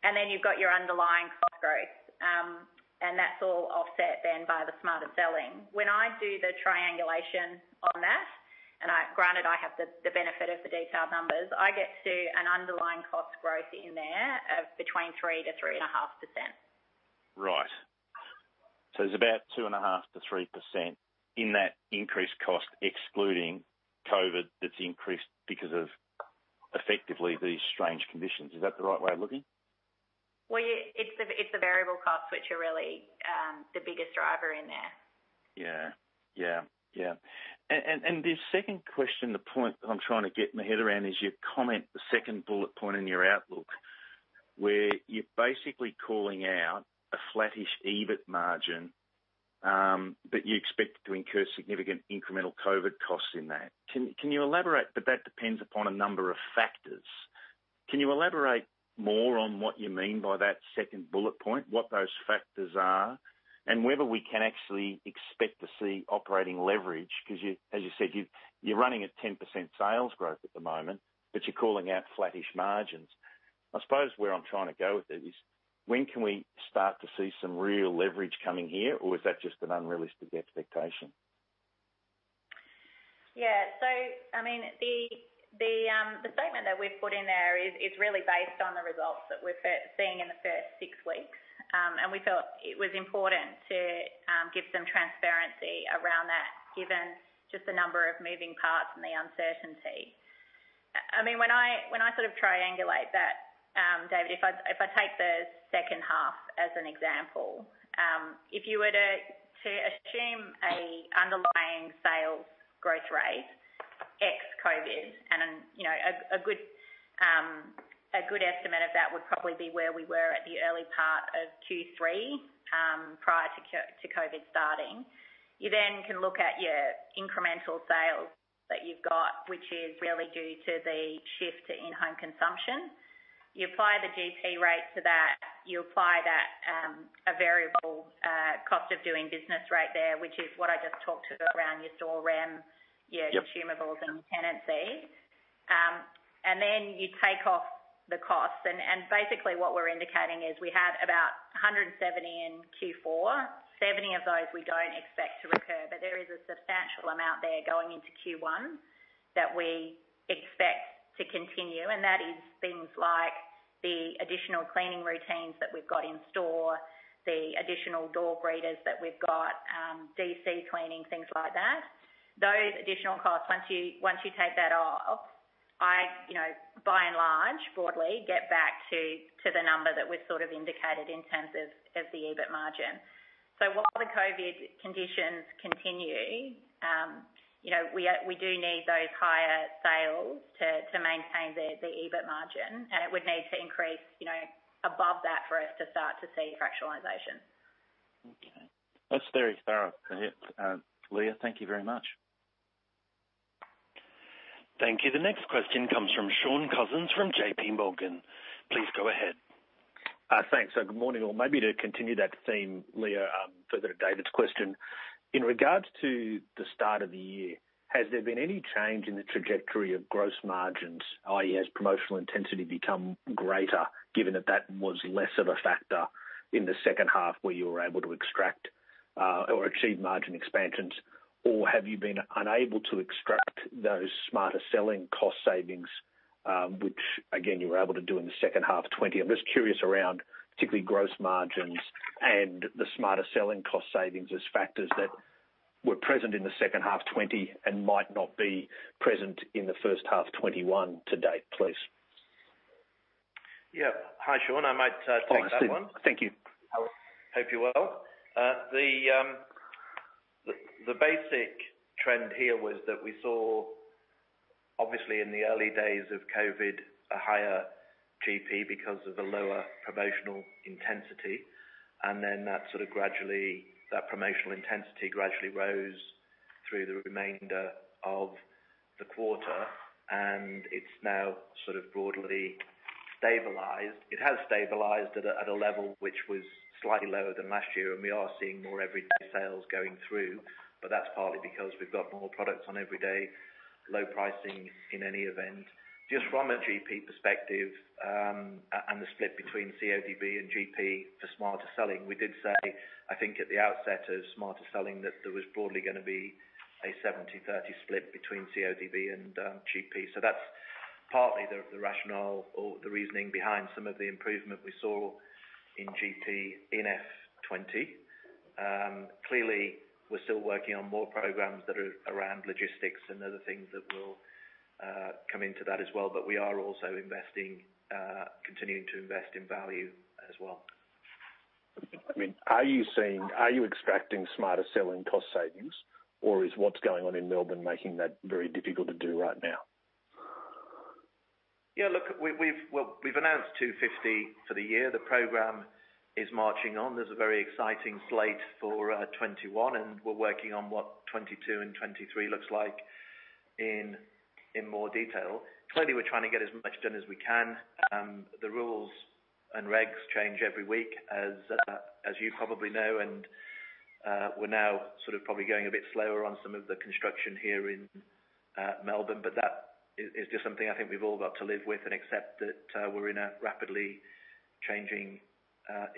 And then you've got your underlying cost growth. And that's all offset then by the Smarter Selling. When I do the triangulation on that, and granted, I have the benefit of the detailed numbers, I get to an underlying cost growth in there of between 3%-3.5%. Right. So it's about 2.5%-3% in that increased cost, excluding COVID that's increased because of, effectively, these strange conditions. Is that the right way of looking? It's the variable costs, which are really the biggest driver in there. Yeah. And the second question, the point that I'm trying to get my head around is your comment, the second bullet point in your Outlook, where you're basically calling out a flattish EBIT margin, but you expect to incur significant incremental COVID costs in that. Can you elaborate? But that depends upon a number of factors. Can you elaborate more on what you mean by that second bullet point, what those factors are, and whether we can actually expect to see operating leverage? Because, as you said, you're running at 10% sales growth at the moment, but you're calling out flattish margins. I suppose where I'm trying to go with it is, when can we start to see some real leverage coming here, or is that just an unrealistic expectation? Yeah. So, I mean, the statement that we've put in there is really based on the results that we're seeing in the first six weeks. And we felt it was important to give some transparency around that, given just the number of moving parts and the uncertainty. I mean, when I sort of triangulate that, David, if I take the second half as an example, if you were to assume an underlying sales growth rate ex-COVID, and a good estimate of that would probably be where we were at the early part of Q3 prior to COVID starting. You then can look at your incremental sales that you've got, which is really due to the shift to in-home consumption. You apply the GP rate to that. You apply that variable cost of doing business rate there, which is what I just talked to around your store rent, your consumables, and your tenancy. And then you take off the costs. And basically, what we're indicating is we had about 170 in Q4. 70 of those we don't expect to recur. But there is a substantial amount there going into Q1 that we expect to continue. And that is things like the additional cleaning routines that we've got in store, the additional door greeters that we've got, DC cleaning, things like that. Those additional costs, once you take that off, I, by and large, broadly, get back to the number that we've sort of indicated in terms of the EBIT margin. So while the COVID conditions continue, we do need those higher sales to maintain the EBIT margin. It would need to increase above that for us to start to see fractionalization. Okay. That's very thorough. Leah, thank you very much. Thank you. The next question comes from Shaun Cousins from JPMorgan. Please go ahead. Thanks. So good morning. Or maybe to continue that theme, Leah, further to David's question. In regards to the start of the year, has there been any change in the trajectory of gross margins, i.e., has promotional intensity become greater, given that that was less of a factor in the second half where you were able to extract or achieve margin expansions? Or have you been unable to extract those Smarter Selling cost savings, which, again, you were able to do in the second half 2020? I'm just curious around, particularly, gross margins and the Smarter Selling cost savings as factors that were present in the second half 2020 and might not be present in the first half 2021 to date, please. Yeah. Hi, Shaun. I might take that one. Hi, Steve. Thank you. Hope you're well. The basic trend here was that we saw, obviously, in the early days of COVID, a higher GP because of a lower promotional intensity. And then that sort of promotional intensity gradually rose through the remainder of the quarter. And it's now sort of broadly stabilized. It has stabilized at a level which was slightly lower than last year. And we are seeing more everyday sales going through. But that's partly because we've got more products on every day, low pricing in any event. Just from a GP perspective and the split between CODB and GP for Smarter Selling, we did say, I think, at the outset of Smarter Selling that there was broadly going to be a 70/30 split between CODB and GP. So that's partly the rationale or the reasoning behind some of the improvement we saw in GP in F20. Clearly, we're still working on more programs that are around logistics and other things that will come into that as well, but we are also investing, continuing to invest in value as well. I mean, are you saying, are you expecting Smarter Selling cost savings, or is what's going on in Melbourne making that very difficult to do right now? Yeah. Look, we've announced 250 for the year. The program is marching on. There's a very exciting slate for 2021, and we're working on what 2022 and 2023 looks like in more detail. Clearly, we're trying to get as much done as we can. The rules and regs change every week, as you probably know, and we're now sort of probably going a bit slower on some of the construction here in Melbourne. But that is just something I think we've all got to live with and accept that we're in a rapidly changing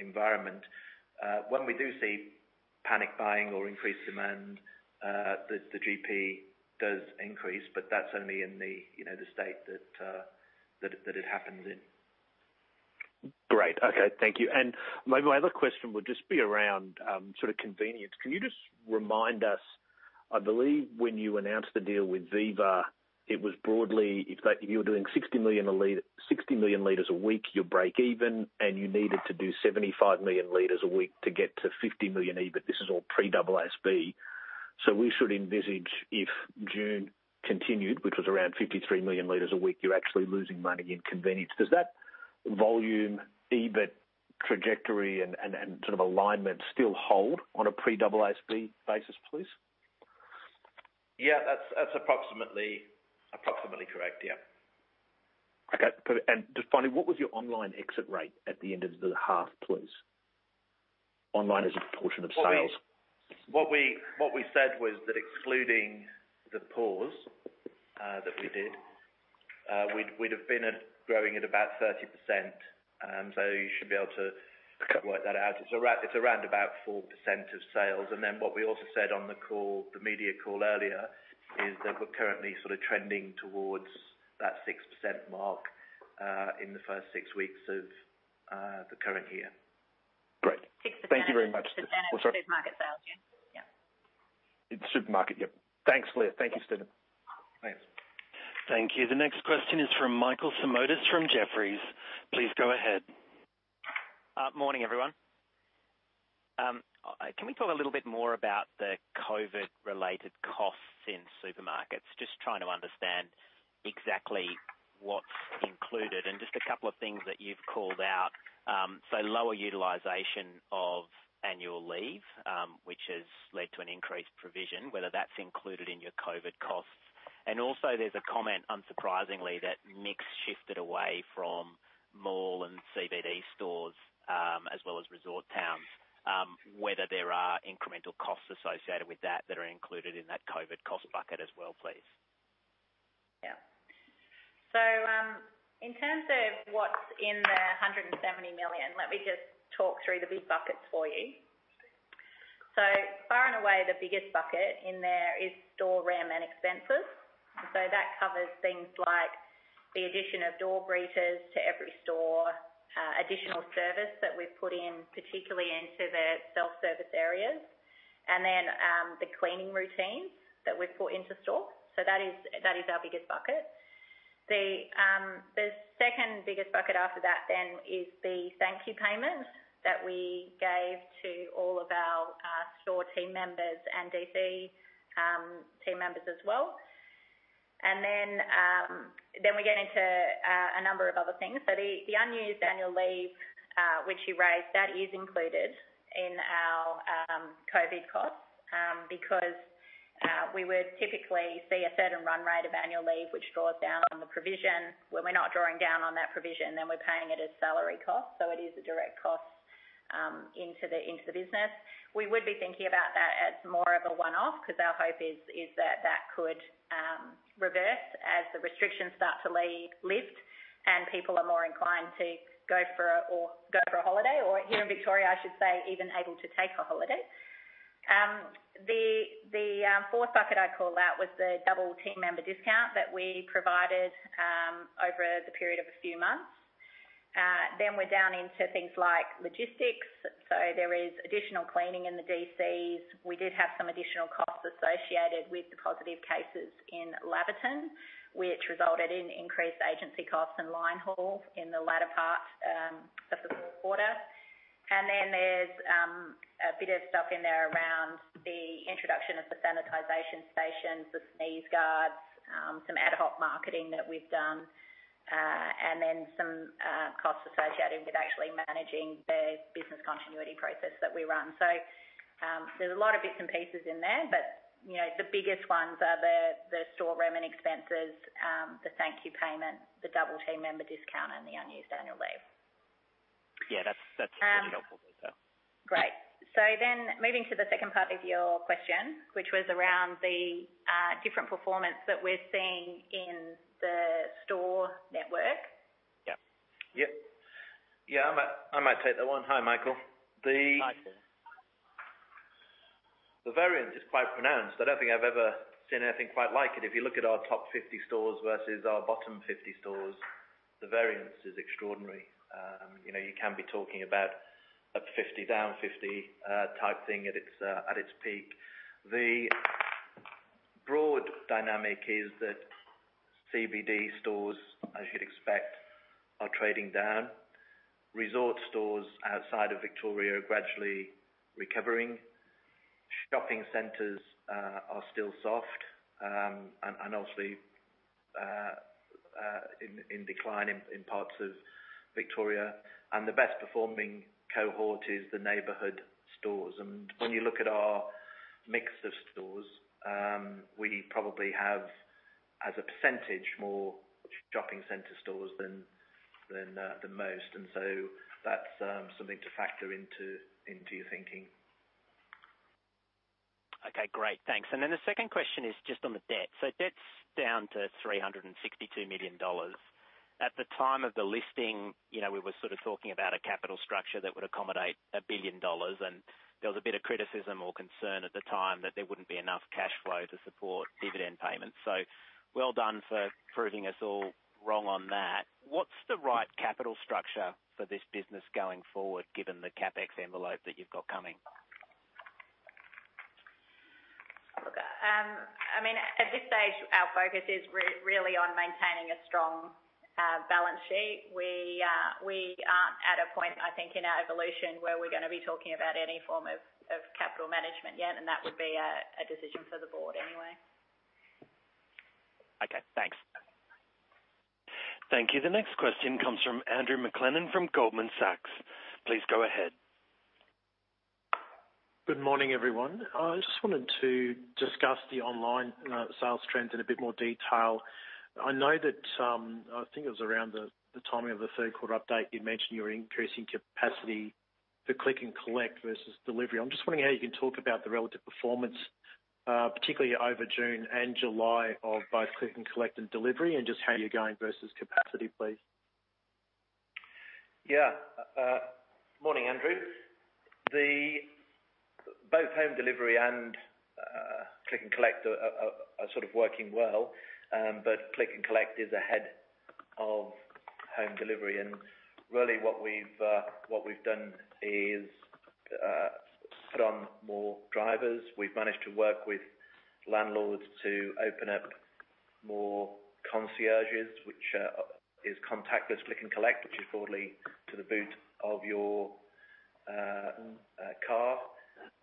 environment. When we do see panic buying or increased demand, the GP does increase, but that's only in the state that it happens in. Great. Okay. Thank you. And my other question would just be around sort of convenience. Can you just remind us? I believe, when you announced the deal with Viva, it was broadly if you were doing 60 million L a week, you're break even, and you needed to do 75 million L a week to get to 50 million L EBIT. This is all pre-AASB. So we should envisage if June continued, which was around 53 million L a week, you're actually losing money in convenience. Does that volume EBIT trajectory and sort of alignment still hold on a pre-AASB basis, please? Yeah. That's approximately correct. Yeah. Okay. And just finally, what was your online exit rate at the end of the half, please? Online as a proportion of sales. What we said was that excluding the pause that we did, we'd have been growing at about 30%. So you should be able to work that out. It's around about 4% of sales. And then what we also said on the media call earlier is that we're currently sort of trending towards that 6% mark in the first six weeks of the current year. Great. 6%. Thank you very much. 6% excluding market sales. Yeah. Supermarket. Yep. Thanks, Leah. Thank you, Steven. Thanks. Thank you. The next question is from Michael Simotas from Jefferies. Please go ahead. Morning, everyone. Can we talk a little bit more about the COVID-related costs in supermarkets? Just trying to understand exactly what's included. And just a couple of things that you've called out. So lower utilization of annual leave, which has led to an increased provision, whether that's included in your COVID costs. And also, there's a comment, unsurprisingly, that mix shifted away from mall and CBD stores as well as resort towns. Whether there are incremental costs associated with that that are included in that COVID cost bucket as well, please. Yeah. So in terms of what's in the 170 million, let me just talk through the big buckets for you. So far and away, the biggest bucket in there is store rent and expenses. So that covers things like the addition of door greeters to every store, additional service that we've put in, particularly into the self-service areas, and then the cleaning routines that we've put into store. So that is our biggest bucket. The second biggest bucket after that then is the thank-you payment that we gave to all of our store team members and DC team members as well. And then we get into a number of other things. So the unused annual leave, which you raised, that is included in our COVID costs because we would typically see a certain run rate of annual leave, which draws down on the provision. When we're not drawing down on that provision, then we're paying it as salary costs. So it is a direct cost into the business. We would be thinking about that as more of a one-off because our hope is that that could reverse as the restrictions start to lift and people are more inclined to go for a holiday. Or here in Victoria, I should say, even able to take a holiday. The fourth bucket I call out was the double team member discount that we provided over the period of a few months. Then we're down into things like logistics. So there is additional cleaning in the DCs. We did have some additional costs associated with the positive cases in Laverton, which resulted in increased agency costs and line haul in the latter part of the fourth quarter. And then there's a bit of stuff in there around the introduction of the sanitization stations, the sneeze guards, some ad hoc marketing that we've done, and then some costs associated with actually managing the business continuity process that we run. So there's a lot of bits and pieces in there. But the biggest ones are the store rent and expenses, the thank-you payment, the double team member discount, and the unused annual leave. Yeah. That's really helpful detail. Great. So then moving to the second part of your question, which was around the different performance that we're seeing in the store network. Yeah. Yeah. I might take that one. Hi, Michael. Hi, Michael. The variance is quite pronounced. I don't think I've ever seen anything quite like it. If you look at our top 50 stores versus our bottom 50 stores, the variance is extraordinary. You can be talking about a 50 down, 50 type thing at its peak. The broad dynamic is that CBD stores, as you'd expect, are trading down. Resort stores outside of Victoria are gradually recovering. Shopping centers are still soft and obviously in decline in parts of Victoria. And the best-performing cohort is the neighborhood stores. And when you look at our mix of stores, we probably have, as a percentage, more shopping center stores than most. And so that's something to factor into your thinking. Okay. Great. Thanks. And then the second question is just on the debt. So debt's down to 362 million dollars. At the time of the listing, we were sort of talking about a capital structure that would accommodate a billion dollars. And there was a bit of criticism or concern at the time that there wouldn't be enough cash flow to support dividend payments. So well done for proving us all wrong on that. What's the right capital structure for this business going forward, given the CapEx envelope that you've got coming? I mean, at this stage, our focus is really on maintaining a strong balance sheet. We aren't at a point, I think, in our evolution where we're going to be talking about any form of capital management yet, and that would be a decision for the board anyway. Okay. Thanks. Thank you. The next question comes from Andrew McLennan from Goldman Sachs. Please go ahead. Good morning, everyone. I just wanted to discuss the online sales trends in a bit more detail. I know that I think it was around the timing of the third quarter update, you mentioned you were increasing capacity for click and collect versus delivery. I'm just wondering how you can talk about the relative performance, particularly over June and July of both click and collect and delivery, and just how you're going versus capacity, please? Yeah. Morning, Andrew. Both home delivery and Click and Collect are sort of working well. But Click and Collect is ahead of home delivery. And really, what we've done is put on more drivers. We've managed to work with landlords to open up more concierges, which is contactless Click and Collect, which is broadly to the boot of your car.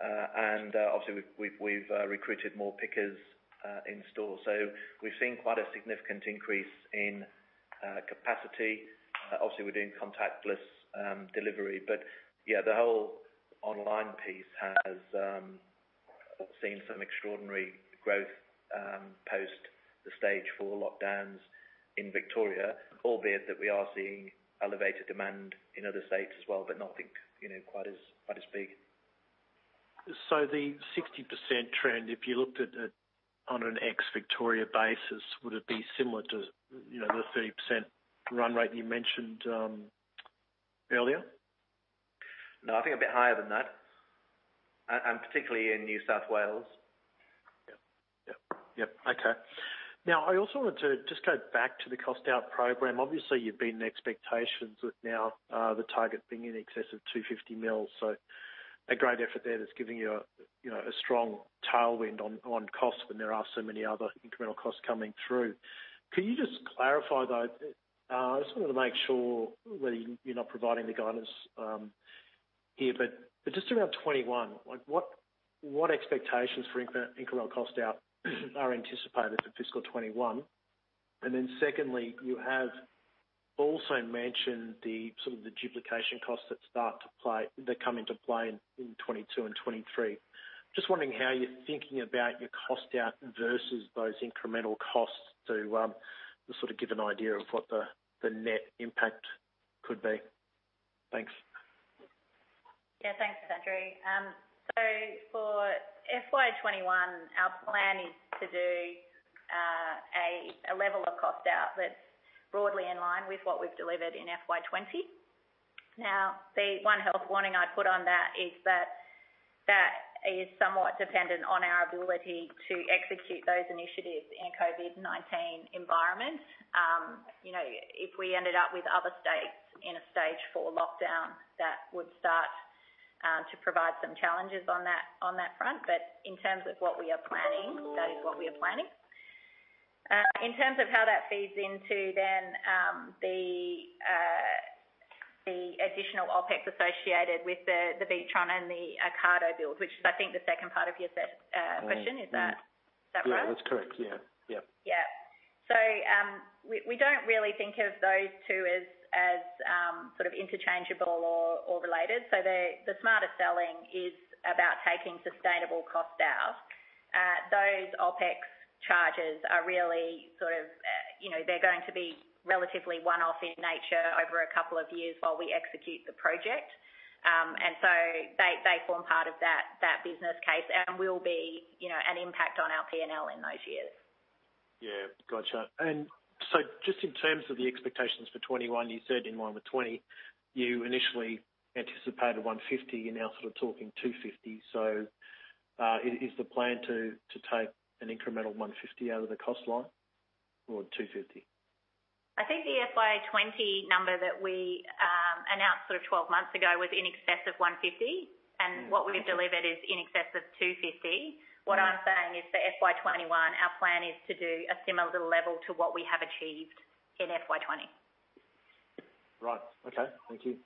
And obviously, we've recruited more pickers in store. So we've seen quite a significant increase in capacity. Obviously, we're doing contactless delivery. But yeah, the whole online piece has seen some extraordinary growth post the Stage 4 lockdowns in Victoria, albeit that we are seeing elevated demand in other states as well, but not quite as big. So the 60% trend, if you looked at it on an ex-Victoria basis, would it be similar to the 30% run rate you mentioned earlier? No, I think a bit higher than that, and particularly in New South Wales. Yeah. Yeah. Yeah. Okay. Now, I also wanted to just go back to the cost-out program. Obviously, you've been in expectations with now the target being in excess of 250 million. So a great effort there that's giving you a strong tailwind on costs when there are so many other incremental costs coming through. Could you just clarify, though? I just wanted to make sure whether you're not providing the guidance here. But just around 2021, what expectations for incremental costs are anticipated for fiscal 2021? And then secondly, you have also mentioned sort of the duplication costs that come into play in 2022 and 2023. Just wondering how you're thinking about your cost-out versus those incremental costs to sort of give an idea of what the net impact could be. Thanks. Yeah. Thanks, Andrew. So for FY21, our plan is to do a level of cost-out that's broadly in line with what we've delivered in FY20. Now, the one health warning I'd put on that is that that is somewhat dependent on our ability to execute those initiatives in a COVID-19 environment. If we ended up with other states in a stage four lockdown, that would start to provide some challenges on that front. But in terms of what we are planning, that is what we are planning. In terms of how that feeds into then the additional OpEx associated with the WITRON and the Ocado build, which is, I think, the second part of your question. Is that right? Yeah. That's correct. Yeah. Yeah. Yeah. So we don't really think of those two as sort of interchangeable or related. So the Smarter Selling is about taking sustainable costs out. Those OpEx charges are really sort of they're going to be relatively one-off in nature over a couple of years while we execute the project. And so they form part of that business case and will be an impact on our P&L in those years. Yeah. Gotcha. And so just in terms of the expectations for 2021, you said in line with 2020, you initially anticipated 150. You're now sort of talking 250. So is the plan to take an incremental 150 out of the cost line or 250? I think the FY20 number that we announced sort of 12 months ago was in excess of 150 and what we've delivered is in excess of 250. What I'm saying is for FY21, our plan is to do a similar level to what we have achieved in FY20. Right. Okay. Thank you.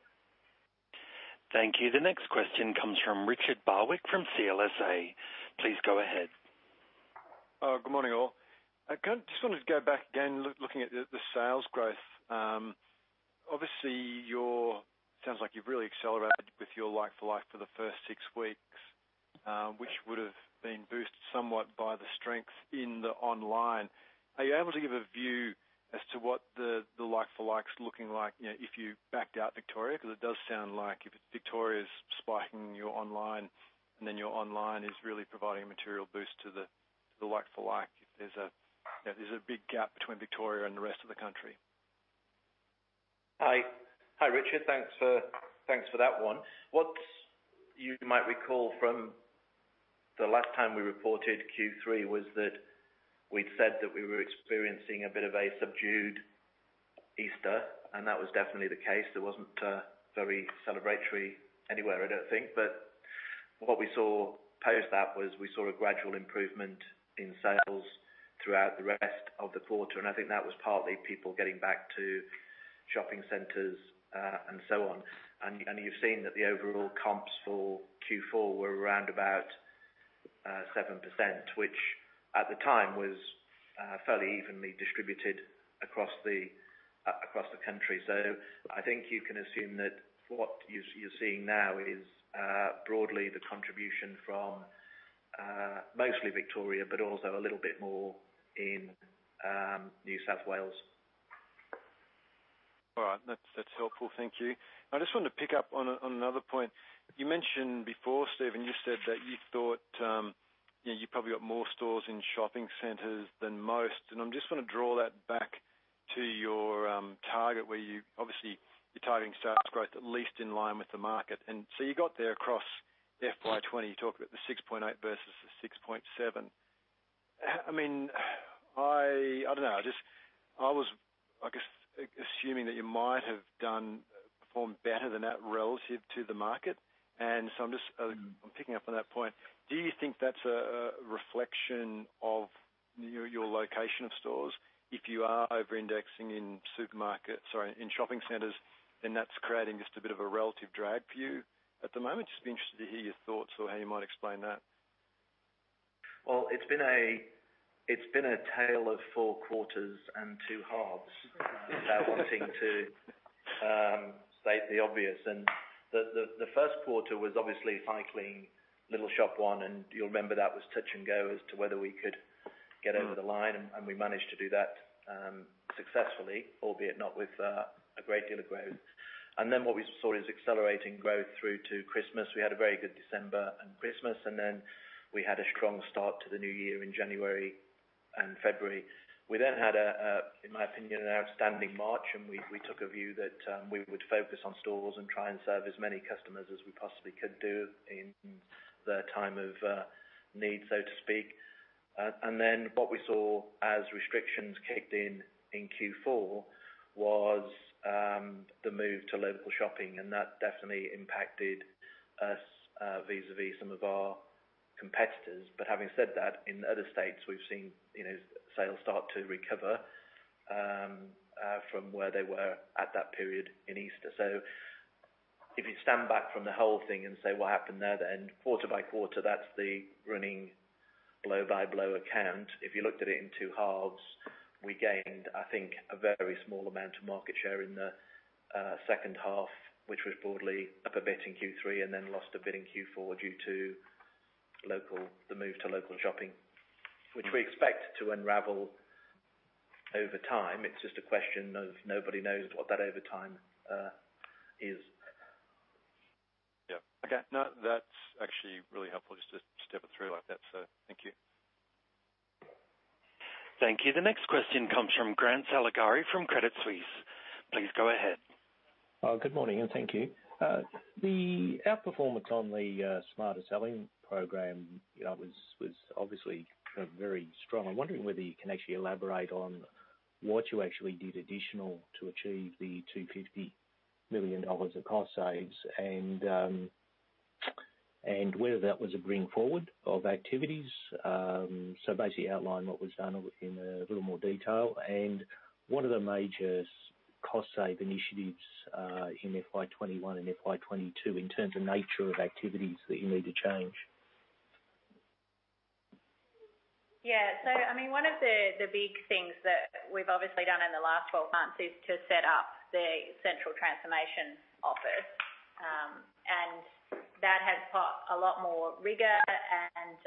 Thank you. The next question comes from Richard Barwick from CLSA. Please go ahead. Good morning, all. I just wanted to go back again looking at the sales growth. Obviously, it sounds like you've really accelerated with your like-for-like for the first six weeks, which would have been boosted somewhat by the strength in the online. Are you able to give a view as to what the like-for-like's looking like if you backed out Victoria? Because it does sound like if it's Victoria's spiking your online and then your online is really providing a material boost to the like-for-like if there's a big gap between Victoria and the rest of the country. Hi, Richard. Thanks for that one. What you might recall from the last time we reported Q3 was that we'd said that we were experiencing a bit of a subdued Easter, and that was definitely the case. There wasn't very celebratory anywhere, I don't think. But what we saw post that was we saw a gradual improvement in sales throughout the rest of the quarter, and I think that was partly people getting back to shopping centers and so on, and you've seen that the overall comps for Q4 were around about 7%, which at the time was fairly evenly distributed across the country, so I think you can assume that what you're seeing now is broadly the contribution from mostly Victoria, but also a little bit more in New South Wales. All right. That's helpful. Thank you. I just wanted to pick up on another point. You mentioned before, Steven, you said that you thought you probably got more stores in shopping centers than most. I just want to draw that back to your target where you obviously you're targeting sales growth at least in line with the market. So you got there across FY20, you talked about the 6.8 versus the 6.7. I mean, I don't know. I was, I guess, assuming that you might have performed better than that relative to the market. I'm picking up on that point. Do you think that's a reflection of your location of stores? If you are over-indexing in supermarkets or in shopping centers, then that's creating just a bit of a relative drag for you at the moment. just be interested to hear your thoughts or how you might explain that. It's been a tale of four quarters and two halves. Without wanting to state the obvious. The first quarter was obviously cycling Little Shop 1. You'll remember that was touch and go as to whether we could get over the line. We managed to do that successfully, albeit not with a great deal of growth. Then what we saw is accelerating growth through to Christmas. We had a very good December and Christmas. Then we had a strong start to the new year in January and February. We then had, in my opinion, an outstanding March. We took a view that we would focus on stores and try and serve as many customers as we possibly could do in the time of need, so to speak. Then what we saw as restrictions kicked in in Q4 was the move to local shopping. And that definitely impacted us vis-à-vis some of our competitors. But having said that, in other states, we've seen sales start to recover from where they were at that period in Easter. So if you stand back from the whole thing and say, "What happened there then?" Quarter by quarter, that's the running blow-by-blow account. If you looked at it in two halves, we gained, I think, a very small amount of market share in the second half, which was broadly up a bit in Q3 and then lost a bit in Q4 due to the move to local shopping, which we expect to unravel over time. It's just a question of nobody knows what that over time is. Yeah. Okay. No, that's actually really helpful just to step it through like that. So thank you. Thank you. The next question comes from Grant Saligari from Credit Suisse. Please go ahead. Good morning, and thank you. The outperformance on the Smarter Selling program was obviously very strong. I'm wondering whether you can actually elaborate on what you actually did additional to achieve the 250 million dollars of cost saves and whether that was a bring forward of activities, so basically outline what was done in a little more detail, and what are the major cost-save initiatives in FY21 and FY22 in terms of nature of activities that you need to change? Yeah. So I mean, one of the big things that we've obviously done in the last 12 months is to set up the central transformation office. And that has put a lot more rigor and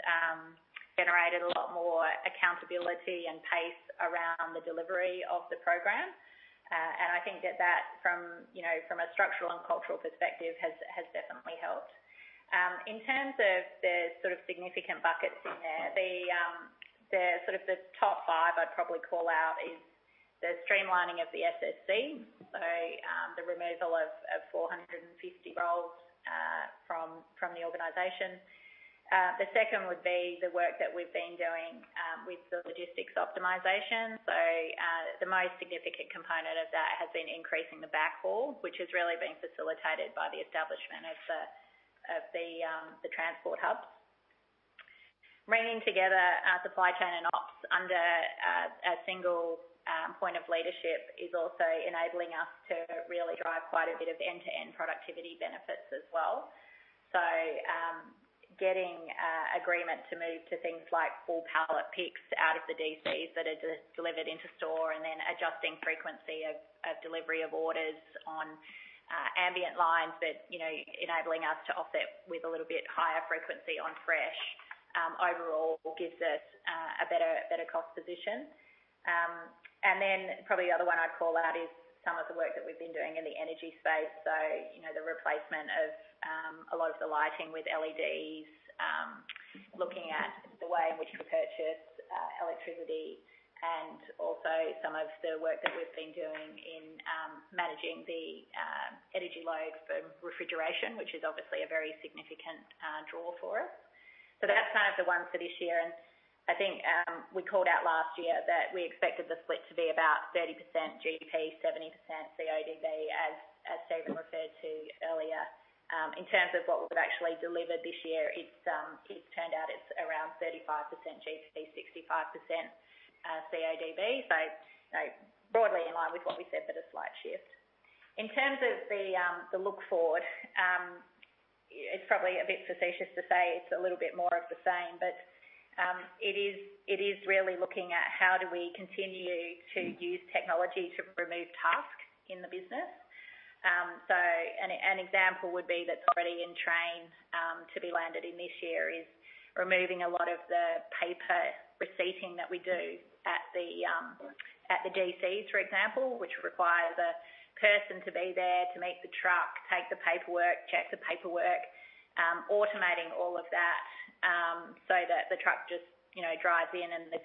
generated a lot more accountability and pace around the delivery of the program. And I think that that, from a structural and cultural perspective, has definitely helped. In terms of the sort of significant buckets in there, the sort of the top five I'd probably call out is the streamlining of the SSC, so the removal of 450 roles from the organization. The second would be the work that we've been doing with the logistics optimization. So the most significant component of that has been increasing the backhaul, which has really been facilitated by the establishment of the transport hubs. Bringing together our supply chain and ops under a single point of leadership is also enabling us to really drive quite a bit of end-to-end productivity benefits as well. So getting agreement to move to things like full pallet picks out of the DCs that are delivered into store and then adjusting frequency of delivery of orders on ambient lines, but enabling us to offset with a little bit higher frequency on fresh overall gives us a better cost position, and then probably the other one I'd call out is some of the work that we've been doing in the energy space, so the replacement of a lot of the lighting with LEDs, looking at the way in which we purchase electricity, and also some of the work that we've been doing in managing the energy load for refrigeration, which is obviously a very significant draw for us. That's kind of the ones for this year. I think we called out last year that we expected the split to be about 30% GP, 70% CODB, as Steven referred to earlier. In terms of what we've actually delivered this year, it's turned out it's around 35% GP, 65% CODB. Broadly in line with what we said, but a slight shift. In terms of the looking forward, it's probably a bit facetious to say it's a little bit more of the same, but it is really looking at how do we continue to use technology to remove tasks in the business. An example would be, that's already in train to be landed in this year is removing a lot of the paper receipting that we do at the DCs, for example, which requires a person to be there to meet the truck, take the paperwork, check the paperwork, automating all of that so that the truck just drives in and there's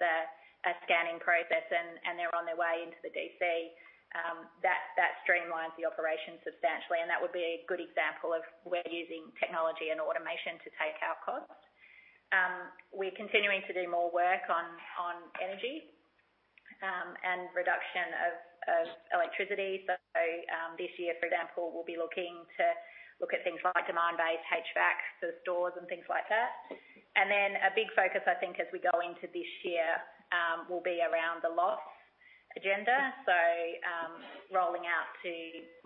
a scanning process and they're on their way into the DC. That streamlines the operation substantially. That would be a good example of we're using technology and automation to take our cost. We're continuing to do more work on energy and reduction of electricity. This year, for example, we'll be looking to look at things like demand-based HVAC for stores and things like that. Then a big focus, I think, as we go into this year will be around the loss agenda. Rolling out to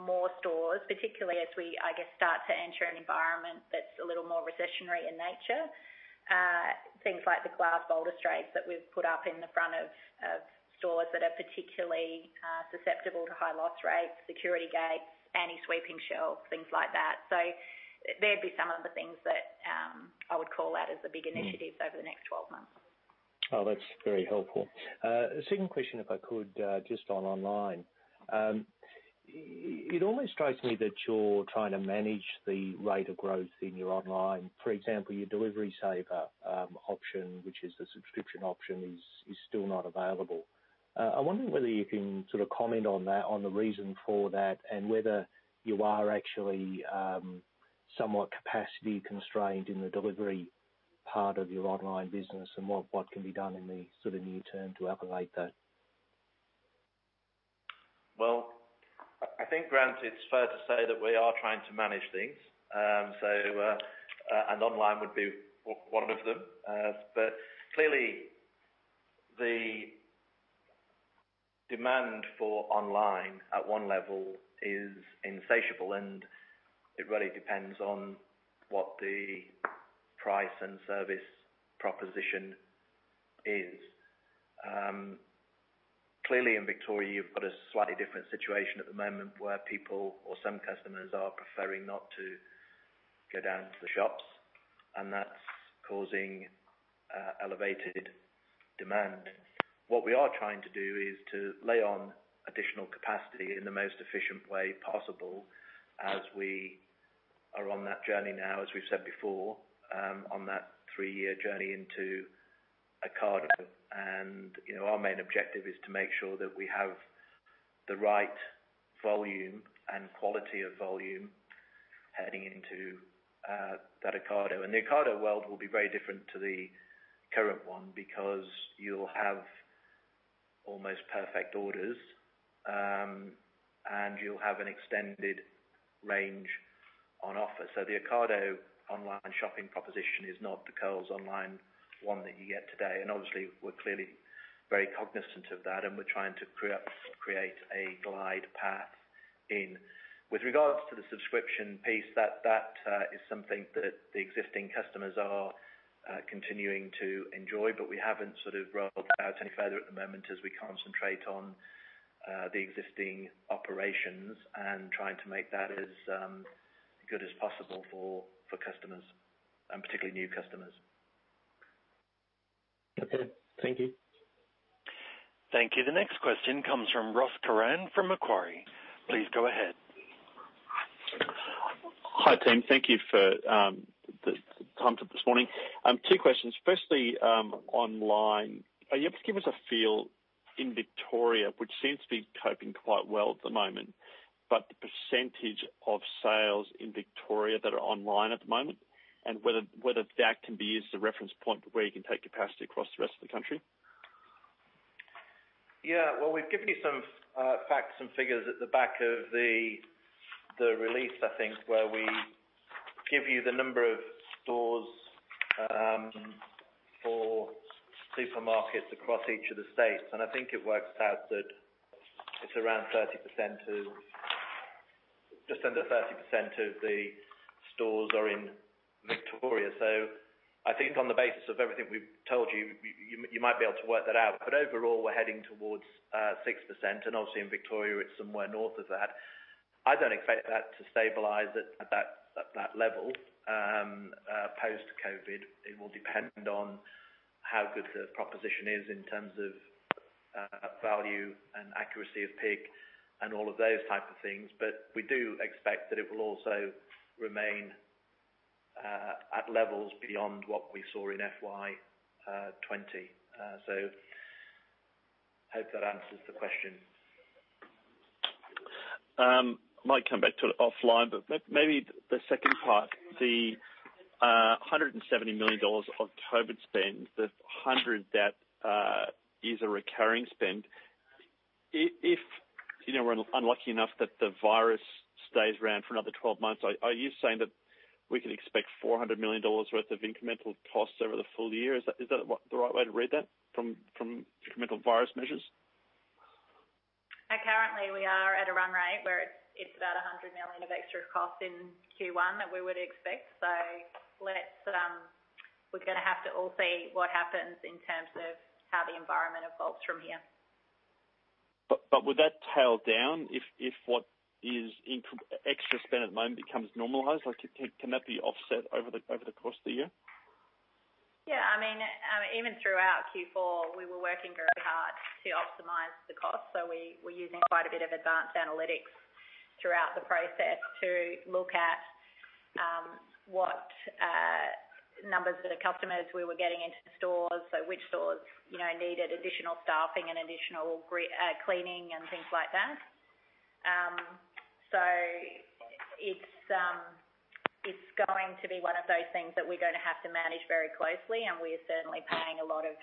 more stores, particularly as we, I guess, start to enter an environment that's a little more recessionary in nature. Things like the glass bollard arrays that we've put up in the front of stores that are particularly susceptible to high loss rates, security gates, anti-sweeping shelves, things like that. They'd be some of the things that I would call out as the big initiatives over the next 12 months. Oh, that's very helpful. Second question, if I could, just on online. It almost strikes me that you're trying to manage the rate of growth in your online. For example, your Delivery Saver option, which is the subscription option, is still not available. I wonder whether you can sort of comment on that, on the reason for that, and whether you are actually somewhat capacity constrained in the delivery part of your online business and what can be done in the sort of near term to accommodate that. I think, Grant, it's fair to say that we are trying to manage things. Online would be one of them. Clearly, the demand for online at one level is insatiable. It really depends on what the price and service proposition is. Clearly, in Victoria, you've got a slightly different situation at the moment where people or some customers are preferring not to go down to the shops. That's causing elevated demand. What we are trying to do is to lay on additional capacity in the most efficient way possible as we are on that journey now, as we've said before, on that three-year journey into Ocado. Our main objective is to make sure that we have the right volume and quality of volume heading into that Ocado. The Ocado world will be very different to the current one because you'll have almost perfect orders and you'll have an extended range on offer. The Ocado online shopping proposition is not the Coles Online one that you get today. Obviously, we're clearly very cognizant of that. We're trying to create a glide path in. With regards to the subscription piece, that is something that the existing customers are continuing to enjoy. We haven't sort of rolled out any further at the moment as we concentrate on the existing operations and trying to make that as good as possible for customers and particularly new customers. Okay. Thank you. Thank you. The next question comes from Ross Curran from Macquarie. Please go ahead. Hi, team. Thank you for the time this morning. Two questions. Firstly, online, are you able to give us a feel in Victoria, which seems to be coping quite well at the moment, but the percentage of sales in Victoria that are online at the moment, and whether that can be used as a reference point where you can take capacity across the rest of the country? Yeah. Well, we've given you some facts and figures at the back of the release, I think, where we give you the number of stores for supermarkets across each of the states. And I think it works out that it's around 30% of just under 30% of the stores are in Victoria. So I think on the basis of everything we've told you, you might be able to work that out. But overall, we're heading towards 6%. And obviously, in Victoria, it's somewhere north of that. I don't expect that to stabilize at that level post-COVID. It will depend on how good the proposition is in terms of value and accuracy of pick and all of those types of things. But we do expect that it will also remain at levels beyond what we saw in FY20. So I hope that answers the question. I might come back to it offline, but maybe the second part, the 170 million dollars of COVID spend, the 100 that is a recurring spend. If we're unlucky enough that the virus stays around for another 12 months, are you saying that we can expect 400 million dollars worth of incremental costs over the full year? Is that the right way to read that from incremental virus measures? Currently, we are at a run rate where it's about 100 million of extra costs in Q1 that we would expect. So we're going to have to all see what happens in terms of how the environment evolves from here. But would that tail down if what is extra spent at the moment becomes normalized? Can that be offset over the course of the year? Yeah. I mean, even throughout Q4, we were working very hard to optimize the cost. So we're using quite a bit of advanced analytics throughout the process to look at what numbers of the customers we were getting into stores, so which stores needed additional staffing and additional cleaning and things like that. So it's going to be one of those things that we're going to have to manage very closely. And we are certainly paying a lot of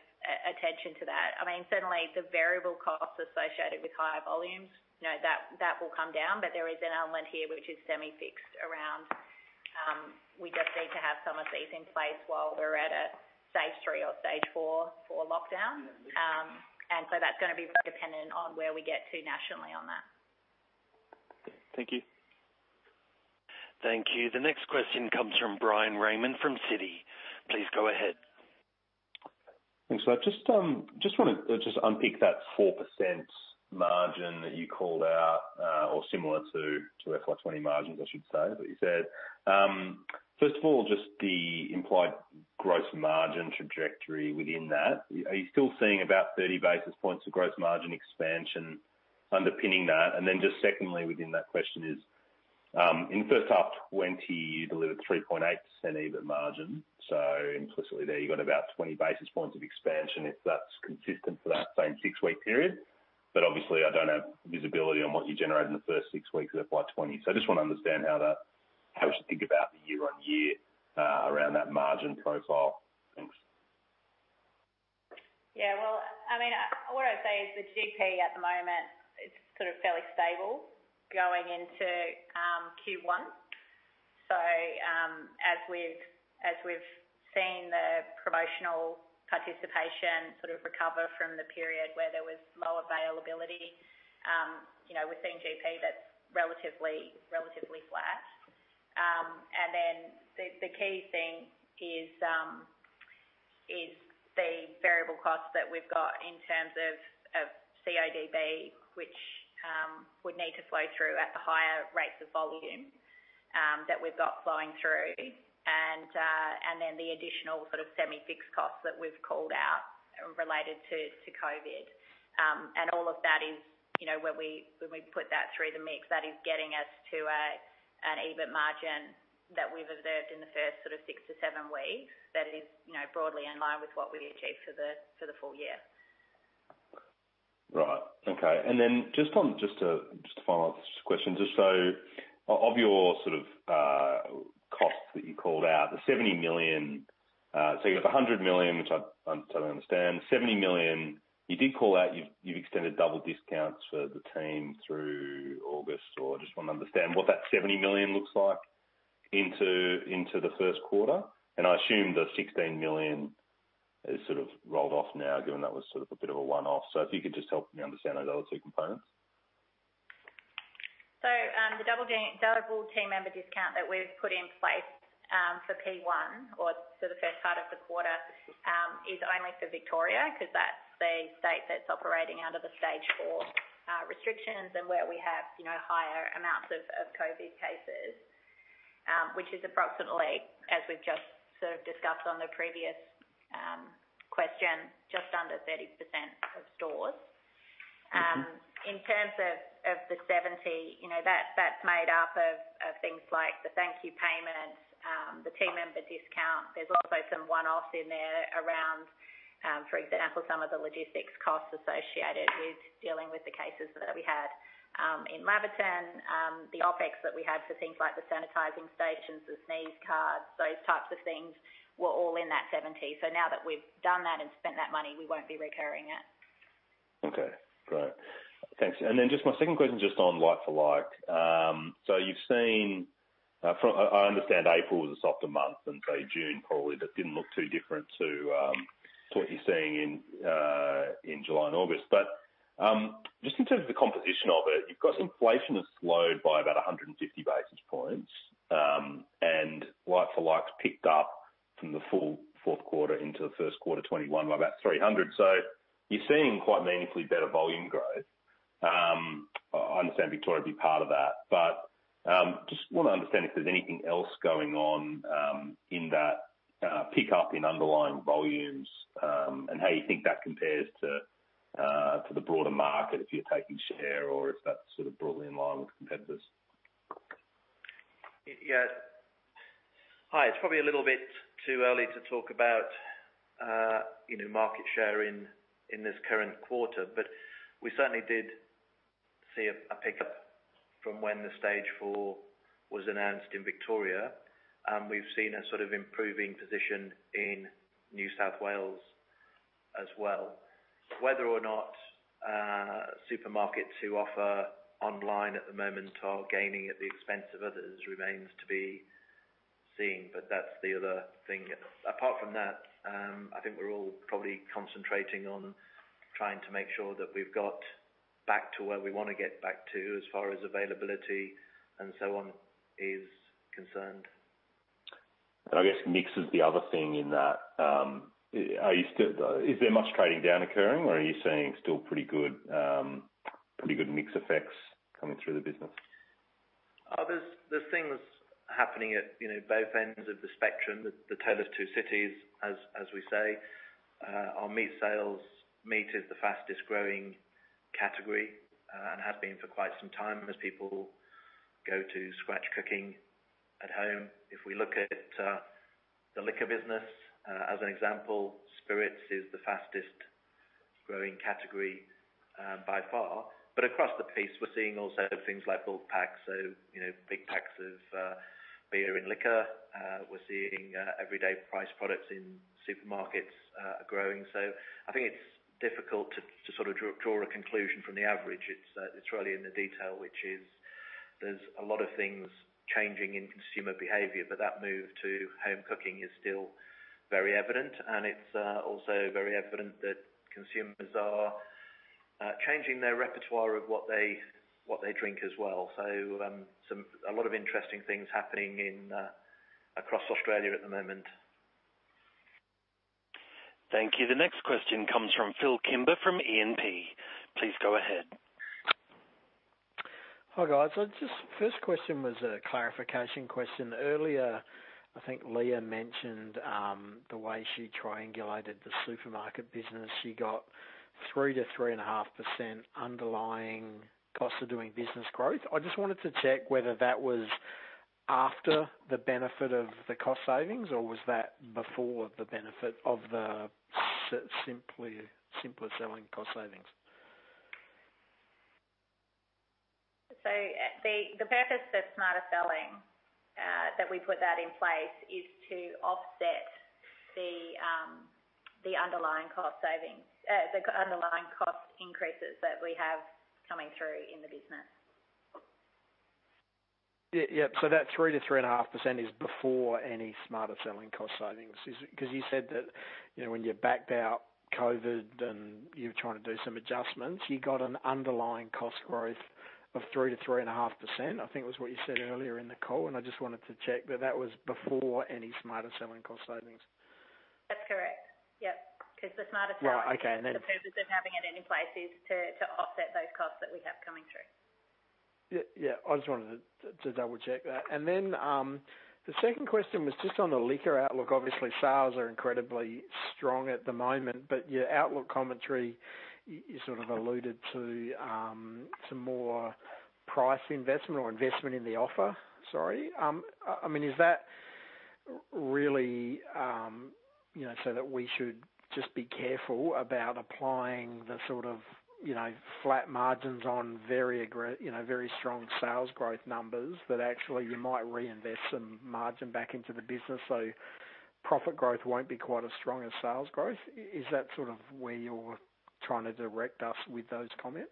attention to that. I mean, certainly, the variable costs associated with higher volumes, that will come down. But there is an element here, which is semi-fixed around we just need to have some of these in place while we're at a Stage 3 or Stage 4 for lockdown. And so that's going to be dependent on where we get to nationally on that. Thank you. Thank you. The next question comes from Bryan Raymond from Citi. Please go ahead. Thanks, Grant. Just want to just unpick that 4% margin that you called out or similar to FY20 margins, I should say, that you said. First of all, just the implied gross margin trajectory within that. Are you still seeing about 30 basis points of gross margin expansion underpinning that? And then just secondly, within that question is in first half 2020, you delivered 3.8% EBIT margin. So implicitly there, you've got about 20 basis points of expansion if that's consistent for that same six-week period. But obviously, I don't have visibility on what you generated in the first six weeks of FY20. So I just want to understand how we should think about the year-on-year around that margin profile. Thanks. Yeah. Well, I mean, what I'd say is the GP at the moment is sort of fairly stable going into Q1. So as we've seen the promotional participation sort of recover from the period where there was low availability, we're seeing GP that's relatively flat. And then the key thing is the variable costs that we've got in terms of CODB, which would need to flow through at the higher rates of volume that we've got flowing through, and then the additional sort of semi-fixed costs that we've called out related to COVID. And all of that is when we put that through the mix, that is getting us to an EBIT margin that we've observed in the first sort of six to seven weeks that is broadly in line with what we achieved for the full year. Right. Okay. And then just to follow up this question, just sort of your sort of costs that you called out, the 70 million so you have 100 million, which I don't understand. 70 million you did call out you've extended double discounts for the team through August. So I just want to understand what that 70 million looks like into the first quarter. And I assume the 16 million is sort of rolled off now, given that was sort of a bit of a one-off. So if you could just help me understand those other two components. The double team member discount that we've put in place for Q1 or for the first part of the quarter is only for Victoria because that's the state that's operating under the stage four restrictions and where we have higher amounts of COVID cases, which is approximately, as we've just sort of discussed on the previous question, just under 30% of stores. In terms of the 70, that's made up of things like the thank you payment, the team member discount. There's also some one-offs in there around, for example, some of the logistics costs associated with dealing with the cases that we had in Laverton, the OpEx that we had for things like the sanitizing stations, the sneeze guards, those types of things were all in that 70. So now that we've done that and spent that money, we won't be recurring it. Okay. Great. Thanks. And then just my second question is just on like for like. So you've seen I understand April was a softer month than, say, June, probably, but didn't look too different to what you're seeing in July and August. But just in terms of the composition of it, you've got inflation has slowed by about 150 basis points. And like for likes picked up from the full fourth quarter into the first quarter 2021 by about 300. So you're seeing quite meaningfully better volume growth. I understand Victoria would be part of that. But just want to understand if there's anything else going on in that pickup in underlying volumes and how you think that compares to the broader market if you're taking share or if that's sort of broadly in line with competitors. Yeah. Hi, it's probably a little bit too early to talk about market share in this current quarter. But we certainly did see a pickup from when the stage four was announced in Victoria. We've seen a sort of improving position in New South Wales as well. Whether or not supermarkets who offer online at the moment are gaining at the expense of others remains to be seen. But that's the other thing. Apart from that, I think we're all probably concentrating on trying to make sure that we've got back to where we want to get back to as far as availability and so on is concerned. I guess it mixes the other thing in that. Is there much trading down occurring, or are you seeing still pretty good mixed effects coming through the business? There's things happening at both ends of the spectrum. The tale of two cities, as we say, are meat sales. Meat is the fastest growing category and has been for quite some time as people go to scratch cooking at home. If we look at the liquor business as an example, spirits is the fastest growing category by far, but across the piece, we're seeing also things like bulk packs, so big packs of beer and liquor. We're seeing everyday price products in supermarkets growing, so I think it's difficult to sort of draw a conclusion from the average. It's really in the detail, which is there's a lot of things changing in consumer behavior, but that move to home cooking is still very evident, and it's also very evident that consumers are changing their repertoire of what they drink as well. So a lot of interesting things happening across Australia at the moment. Thank you. The next question comes from Phil Kimber from E&P. Please go ahead. Hi, guys. So just first question was a clarification question. Earlier, I think Leah mentioned the way she triangulated the supermarket business. She got 3%-3.5% underlying costs of doing business growth. I just wanted to check whether that was after the benefit of the cost savings or was that before the benefit of the Smarter Selling cost savings. The purpose of Smarter Selling we put in place is to offset the underlying cost increases that we have coming through in the business. Yeah. So that 3%-3.5% is before any Smarter Selling cost savings because you said that when you backed out COVID and you were trying to do some adjustments, you got an underlying cost growth of 3%-3.5%, I think was what you said earlier in the call. And I just wanted to check that that was before any Smarter Selling cost savings. That's correct. Yep. Because the Smarter Selling. Right. Okay. And then. The purpose of having it in place is to offset those costs that we have coming through. Yeah. I just wanted to double-check that, and then the second question was just on the liquor outlook. Obviously, sales are incredibly strong at the moment, but your outlook commentary sort of alluded to some more price investment or investment in the offer, sorry. I mean, is that really so that we should just be careful about applying the sort of flat margins on very strong sales growth numbers that actually you might reinvest some margin back into the business so profit growth won't be quite as strong as sales growth? Is that sort of where you're trying to direct us with those comments?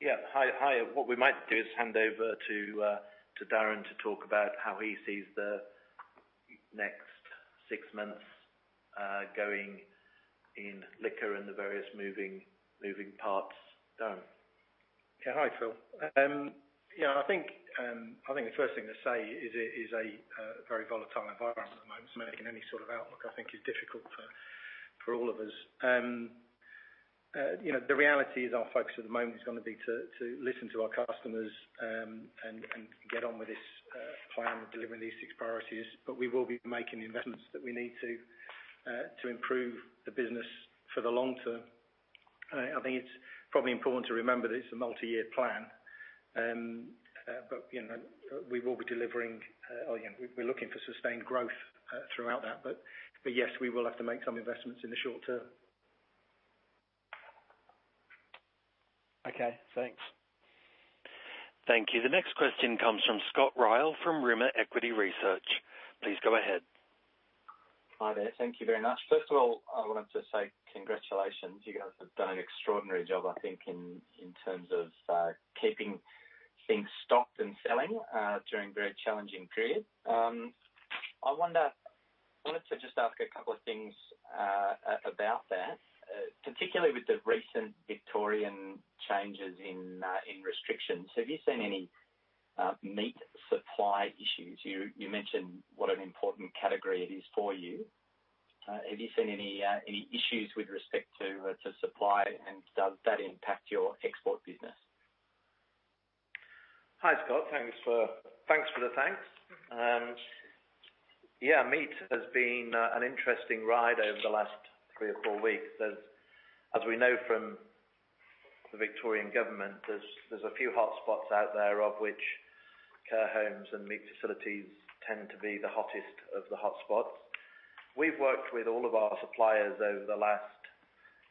Yeah. Hi. What we might do is hand over to Darren to talk about how he sees the next six months going in liquor and the various moving parts. Darren? Yeah. Hi, Phil. Yeah, I think the first thing to say is it is a very volatile environment at the moment. Making any sort of outlook, I think, is difficult for all of us. The reality is our focus at the moment is going to be to listen to our customers and get on with this plan of delivering these six priorities, but we will be making investments that we need to improve the business for the long term. I think it's probably important to remember that it's a multi-year plan, but we will be delivering or we're looking for sustained growth throughout that, but yes, we will have to make some investments in the short term. Okay. Thanks. Thank you. The next question comes from Scott Ryall from Rimor Equity Research. Please go ahead. Hi there. Thank you very much. First of all, I wanted to say congratulations. You guys have done an extraordinary job, I think, in terms of keeping things stocked and selling during a very challenging period. I wanted to just ask a couple of things about that, particularly with the recent Victorian changes in restrictions. Have you seen any meat supply issues? You mentioned what an important category it is for you. Have you seen any issues with respect to supply, and does that impact your export business? Hi, Scott. Thanks for the thanks. Yeah. Meat has been an interesting ride over the last three or four weeks. As we know from the Victorian government, there's a few hotspots out there of which care homes and meat facilities tend to be the hottest of the hotspots. We've worked with all of our suppliers over the last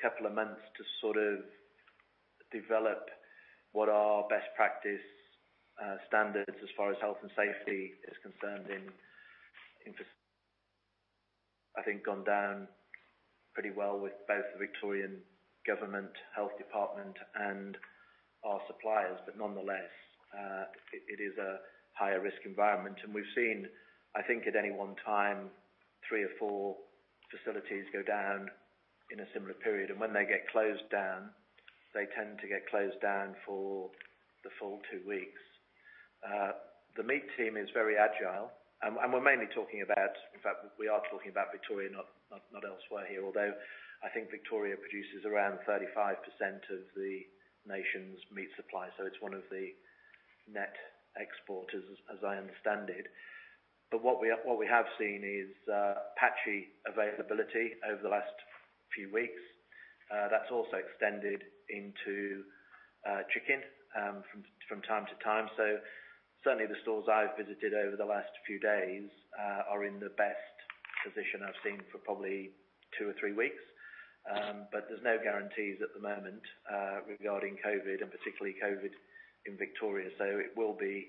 couple of months to sort of develop what are best practice standards as far as health and safety is concerned in. I think gone down pretty well with both the Victorian government health department and our suppliers. But nonetheless, it is a higher-risk environment. And we've seen, I think, at any one time, three or four facilities go down in a similar period. And when they get closed down, they tend to get closed down for the full two weeks. The meat team is very agile. We're mainly talking about, in fact, we are talking about Victoria, not elsewhere here, although I think Victoria produces around 35% of the nation's meat supply. It's one of the net exporters, as I understand it. But what we have seen is patchy availability over the last few weeks. That's also extended into chicken from time to time. Certainly, the stores I've visited over the last few days are in the best position I've seen for probably two or three weeks. But there's no guarantees at the moment regarding COVID and particularly COVID in Victoria. It will be,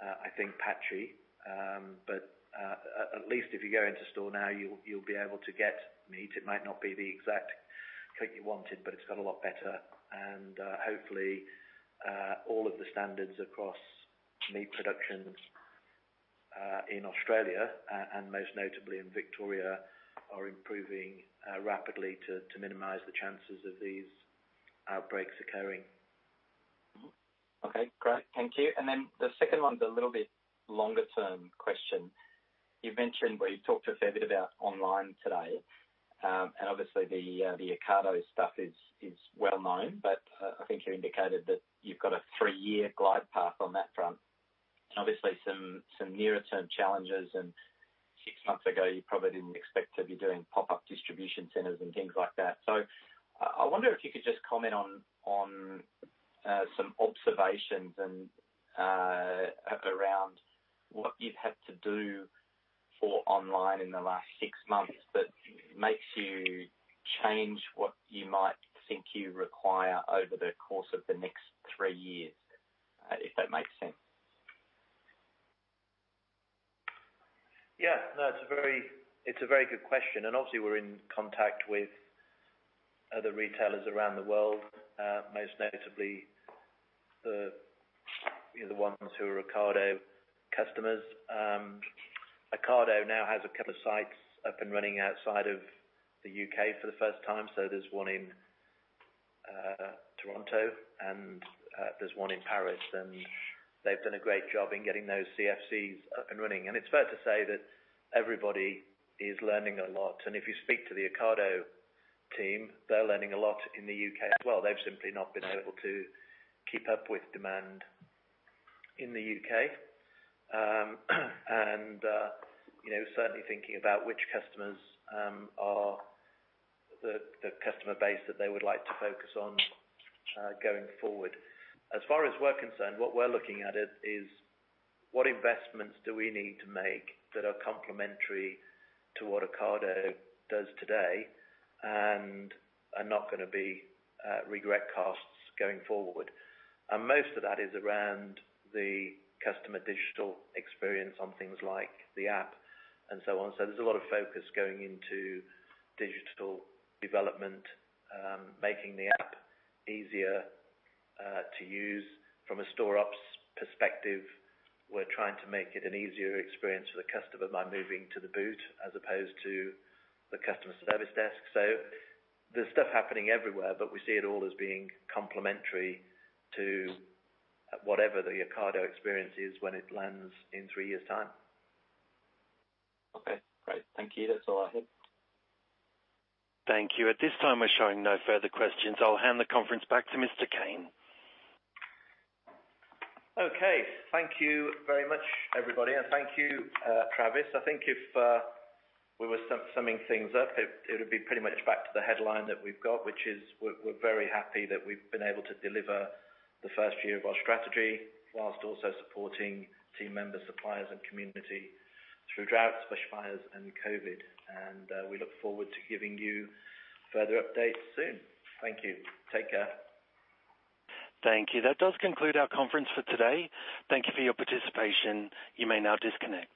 I think, patchy. But at least if you go into store now, you'll be able to get meat. It might not be the exact cut you wanted, but it's got a lot better. Hopefully, all of the standards across meat production in Australia and most notably in Victoria are improving rapidly to minimize the chances of these outbreaks occurring. Okay. Great. Thank you. And then the second one's a little bit longer-term question. You've mentioned well, you've talked a fair bit about online today. And obviously, the Ocado stuff is well known. But I think you indicated that you've got a three-year glide path on that front. And obviously, some nearer-term challenges. And six months ago, you probably didn't expect to be doing pop-up distribution centers and things like that. So I wonder if you could just comment on some observations around what you've had to do for online in the last six months that makes you change what you might think you require over the course of the next three years, if that makes sense. Yeah. No, it's a very good question. And obviously, we're in contact with other retailers around the world, most notably the ones who are Ocado customers. Ocado now has a couple of sites up and running outside of the U.K. for the first time. So there's one in Toronto, and there's one in Paris. And they've done a great job in getting those CFCs up and running. And it's fair to say that everybody is learning a lot. And if you speak to the Ocado team, they're learning a lot in the U.K. as well. They've simply not been able to keep up with demand in the U.K. and certainly thinking about which customers are the customer base that they would like to focus on going forward. As far as we're concerned, what we're looking at is what investments do we need to make that are complementary to what Ocado does today and are not going to be regret costs going forward, and most of that is around the customer digital experience on things like the app and so on, so there's a lot of focus going into digital development, making the app easier to use. From a store-ops perspective, we're trying to make it an easier experience for the customer by moving to the booth as opposed to the customer service desk, so there's stuff happening everywhere, but we see it all as being complementary to whatever the Ocado experience is when it lands in three years' time. Okay. Great. Thank you. That's all I had. Thank you. At this time, we're showing no further questions. I'll hand the conference back to Mr. Cain. Okay. Thank you very much, everybody. And thank you, Travis. I think if we were summing things up, it would be pretty much back to the headline that we've got, which is we're very happy that we've been able to deliver the first year of our strategy whilst also supporting team members, suppliers, and community through drought, bushfires, and COVID. And we look forward to giving you further updates soon. Thank you. Take care. Thank you. That does conclude our conference for today. Thank you for your participation. You may now disconnect.